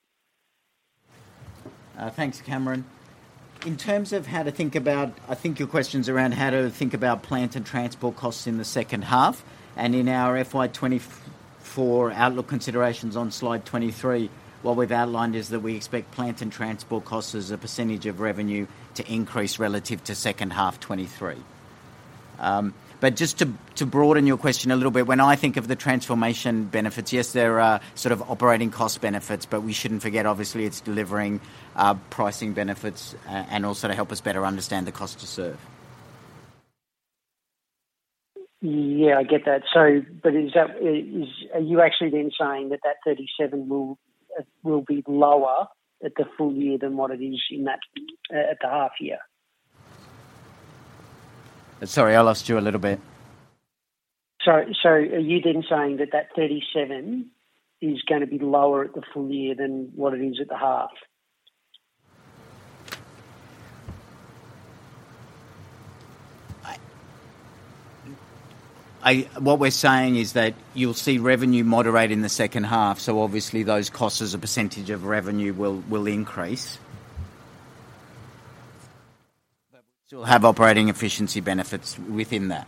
Thanks, Cameron. In terms of how to think about—I think your question's around how to think about plant and transport costs in the second half and in our FY 2024 outlook considerations on slide 23, what we've outlined is that we expect plant and transport costs as a percentage of revenue to increase relative to second half 2023. But just to broaden your question a little bit, when I think of the transformation benefits, yes, there are sort of operating cost benefits, but we shouldn't forget, obviously, it's delivering pricing benefits and also to help us better understand the cost to serve. Yeah, I get that. So, but is that, is, are you actually then saying that that 37 will, will be lower at the full year than what it is in that, at the half year? Sorry, I lost you a little bit. Sorry. So are you then saying that that 37 is going to be lower at the full year than what it is at the half? What we're saying is that you'll see revenue moderate in the second half, so obviously those costs as a percentage of revenue will increase. But we still have operating efficiency benefits within that.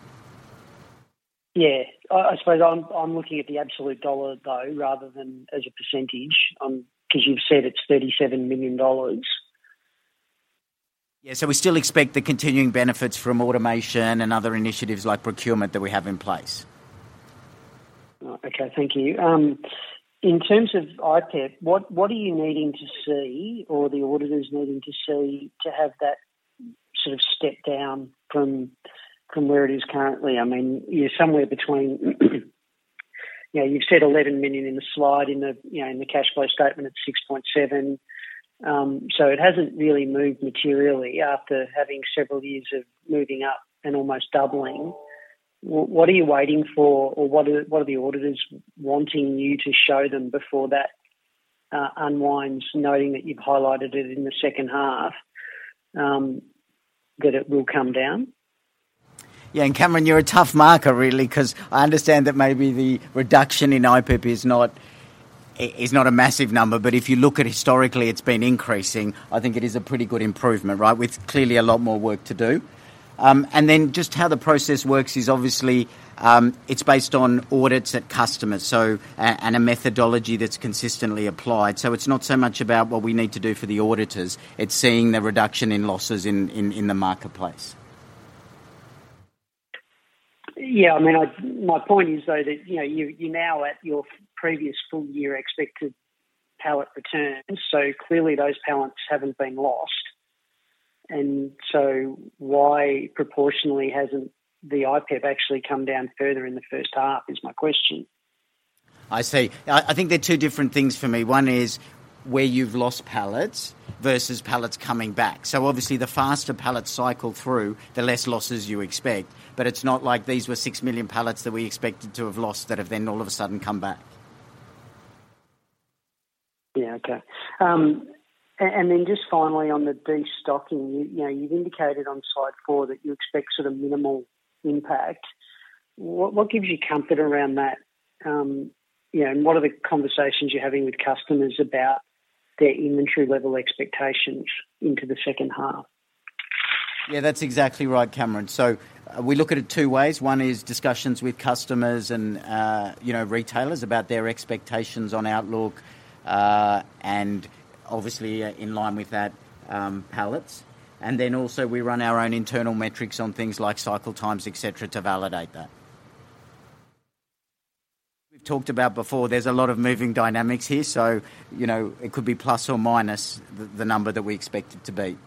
Yeah, I suppose I'm looking at the absolute dollar, though, rather than as a percentage, 'cause you've said it's $37 million. Yeah, so we still expect the continuing benefits from automation and other initiatives like procurement that we have in place. Okay. Thank you. In terms of IPEP, what, what are you needing to see or the auditors needing to see to have that sort of step down from, from where it is currently? I mean, you're somewhere between, you know, you've said $11 million in the slide, in the, you know, in the cash flow statement, it's $6.7 million. So it hasn't really moved materially after having several years of moving up and almost doubling. What, what are you waiting for or what are, what are the auditors wanting you to show them before that unwinds, noting that you've highlighted it in the second half, that it will come down? Yeah, and Cameron, you're a tough marker, really, 'cause I understand that maybe the reduction in IPEP is not a massive number, but if you look at historically, it's been increasing. I think it is a pretty good improvement, right? With clearly a lot more work to do. And then just how the process works is obviously, it's based on audits at customers, so, and a methodology that's consistently applied. So it's not so much about what we need to do for the auditors; it's seeing the reduction in losses in the marketplace. Yeah, I mean, I, my point is, though, that, you know, you're, you're now at your previous full year expected pallet return, so clearly those pallets haven't been lost. And so why, proportionally, hasn't the IPEP actually come down further in the first half is my question?... I see. I, I think they're two different things for me. One is where you've lost pallets versus pallets coming back. So obviously, the faster pallets cycle through, the less losses you expect. But it's not like these were 6 million pallets that we expected to have lost that have then all of a sudden come back. Yeah, okay. And then just finally on the destocking, you know, you've indicated on slide four that you expect sort of minimal impact. What gives you comfort around that, you know, and what are the conversations you're having with customers about their inventory level expectations into the second half? Yeah, that's exactly right, Cameron. So we look at it two ways. One is discussions with customers and, you know, retailers about their expectations on outlook, and obviously, in line with that, pallets. And then also we run our own internal metrics on things like cycle times, et cetera, to validate that. We've talked about before, there's a lot of moving dynamics here, so, you know, it could be plus or minus the, the number that we expect it to be.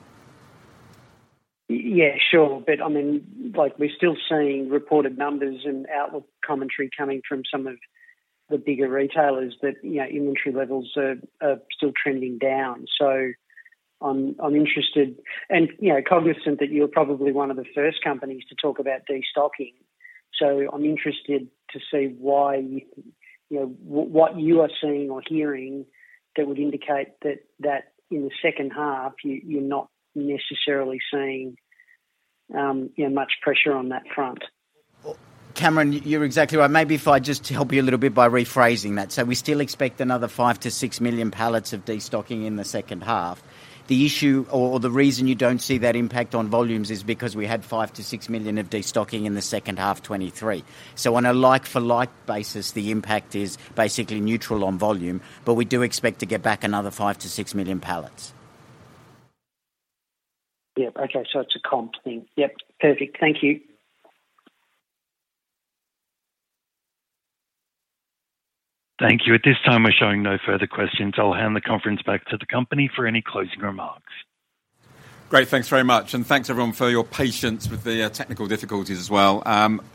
Yeah, sure. But I mean, like, we're still seeing reported numbers and outlook commentary coming from some of the bigger retailers that, you know, inventory levels are still trending down. So I'm interested and, you know, cognizant that you're probably one of the first companies to talk about destocking. So I'm interested to see why, you know, what you are seeing or hearing that would indicate that in the second half, you, you're not necessarily seeing, you know, much pressure on that front. Well, Cameron, you're exactly right. Maybe if I just help you a little bit by rephrasing that. So we still expect another 5-6 million pallets of destocking in the second half. The issue or, or the reason you don't see that impact on volumes is because we had 5 million-6 million of destocking in the second half 2023. So on a like for like basis, the impact is basically neutral on volume, but we do expect to get back another 5-6 million pallets. Yeah. Okay, so it's a comp thing. Yep, perfect. Thank you. Thank you. At this time, we're showing no further questions. I'll hand the conference back to the company for any closing remarks. Great. Thanks very much, and thanks, everyone, for your patience with the, technical difficulties as well.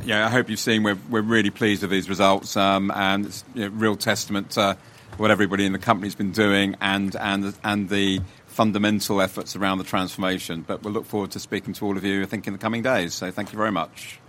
You know, I hope you've seen we're, we're really pleased with these results, and it's, you know, a real testament to what everybody in the company has been doing and, and the, and the fundamental efforts around the transformation. But we'll look forward to speaking to all of you, I think, in the coming days. Thank you very much.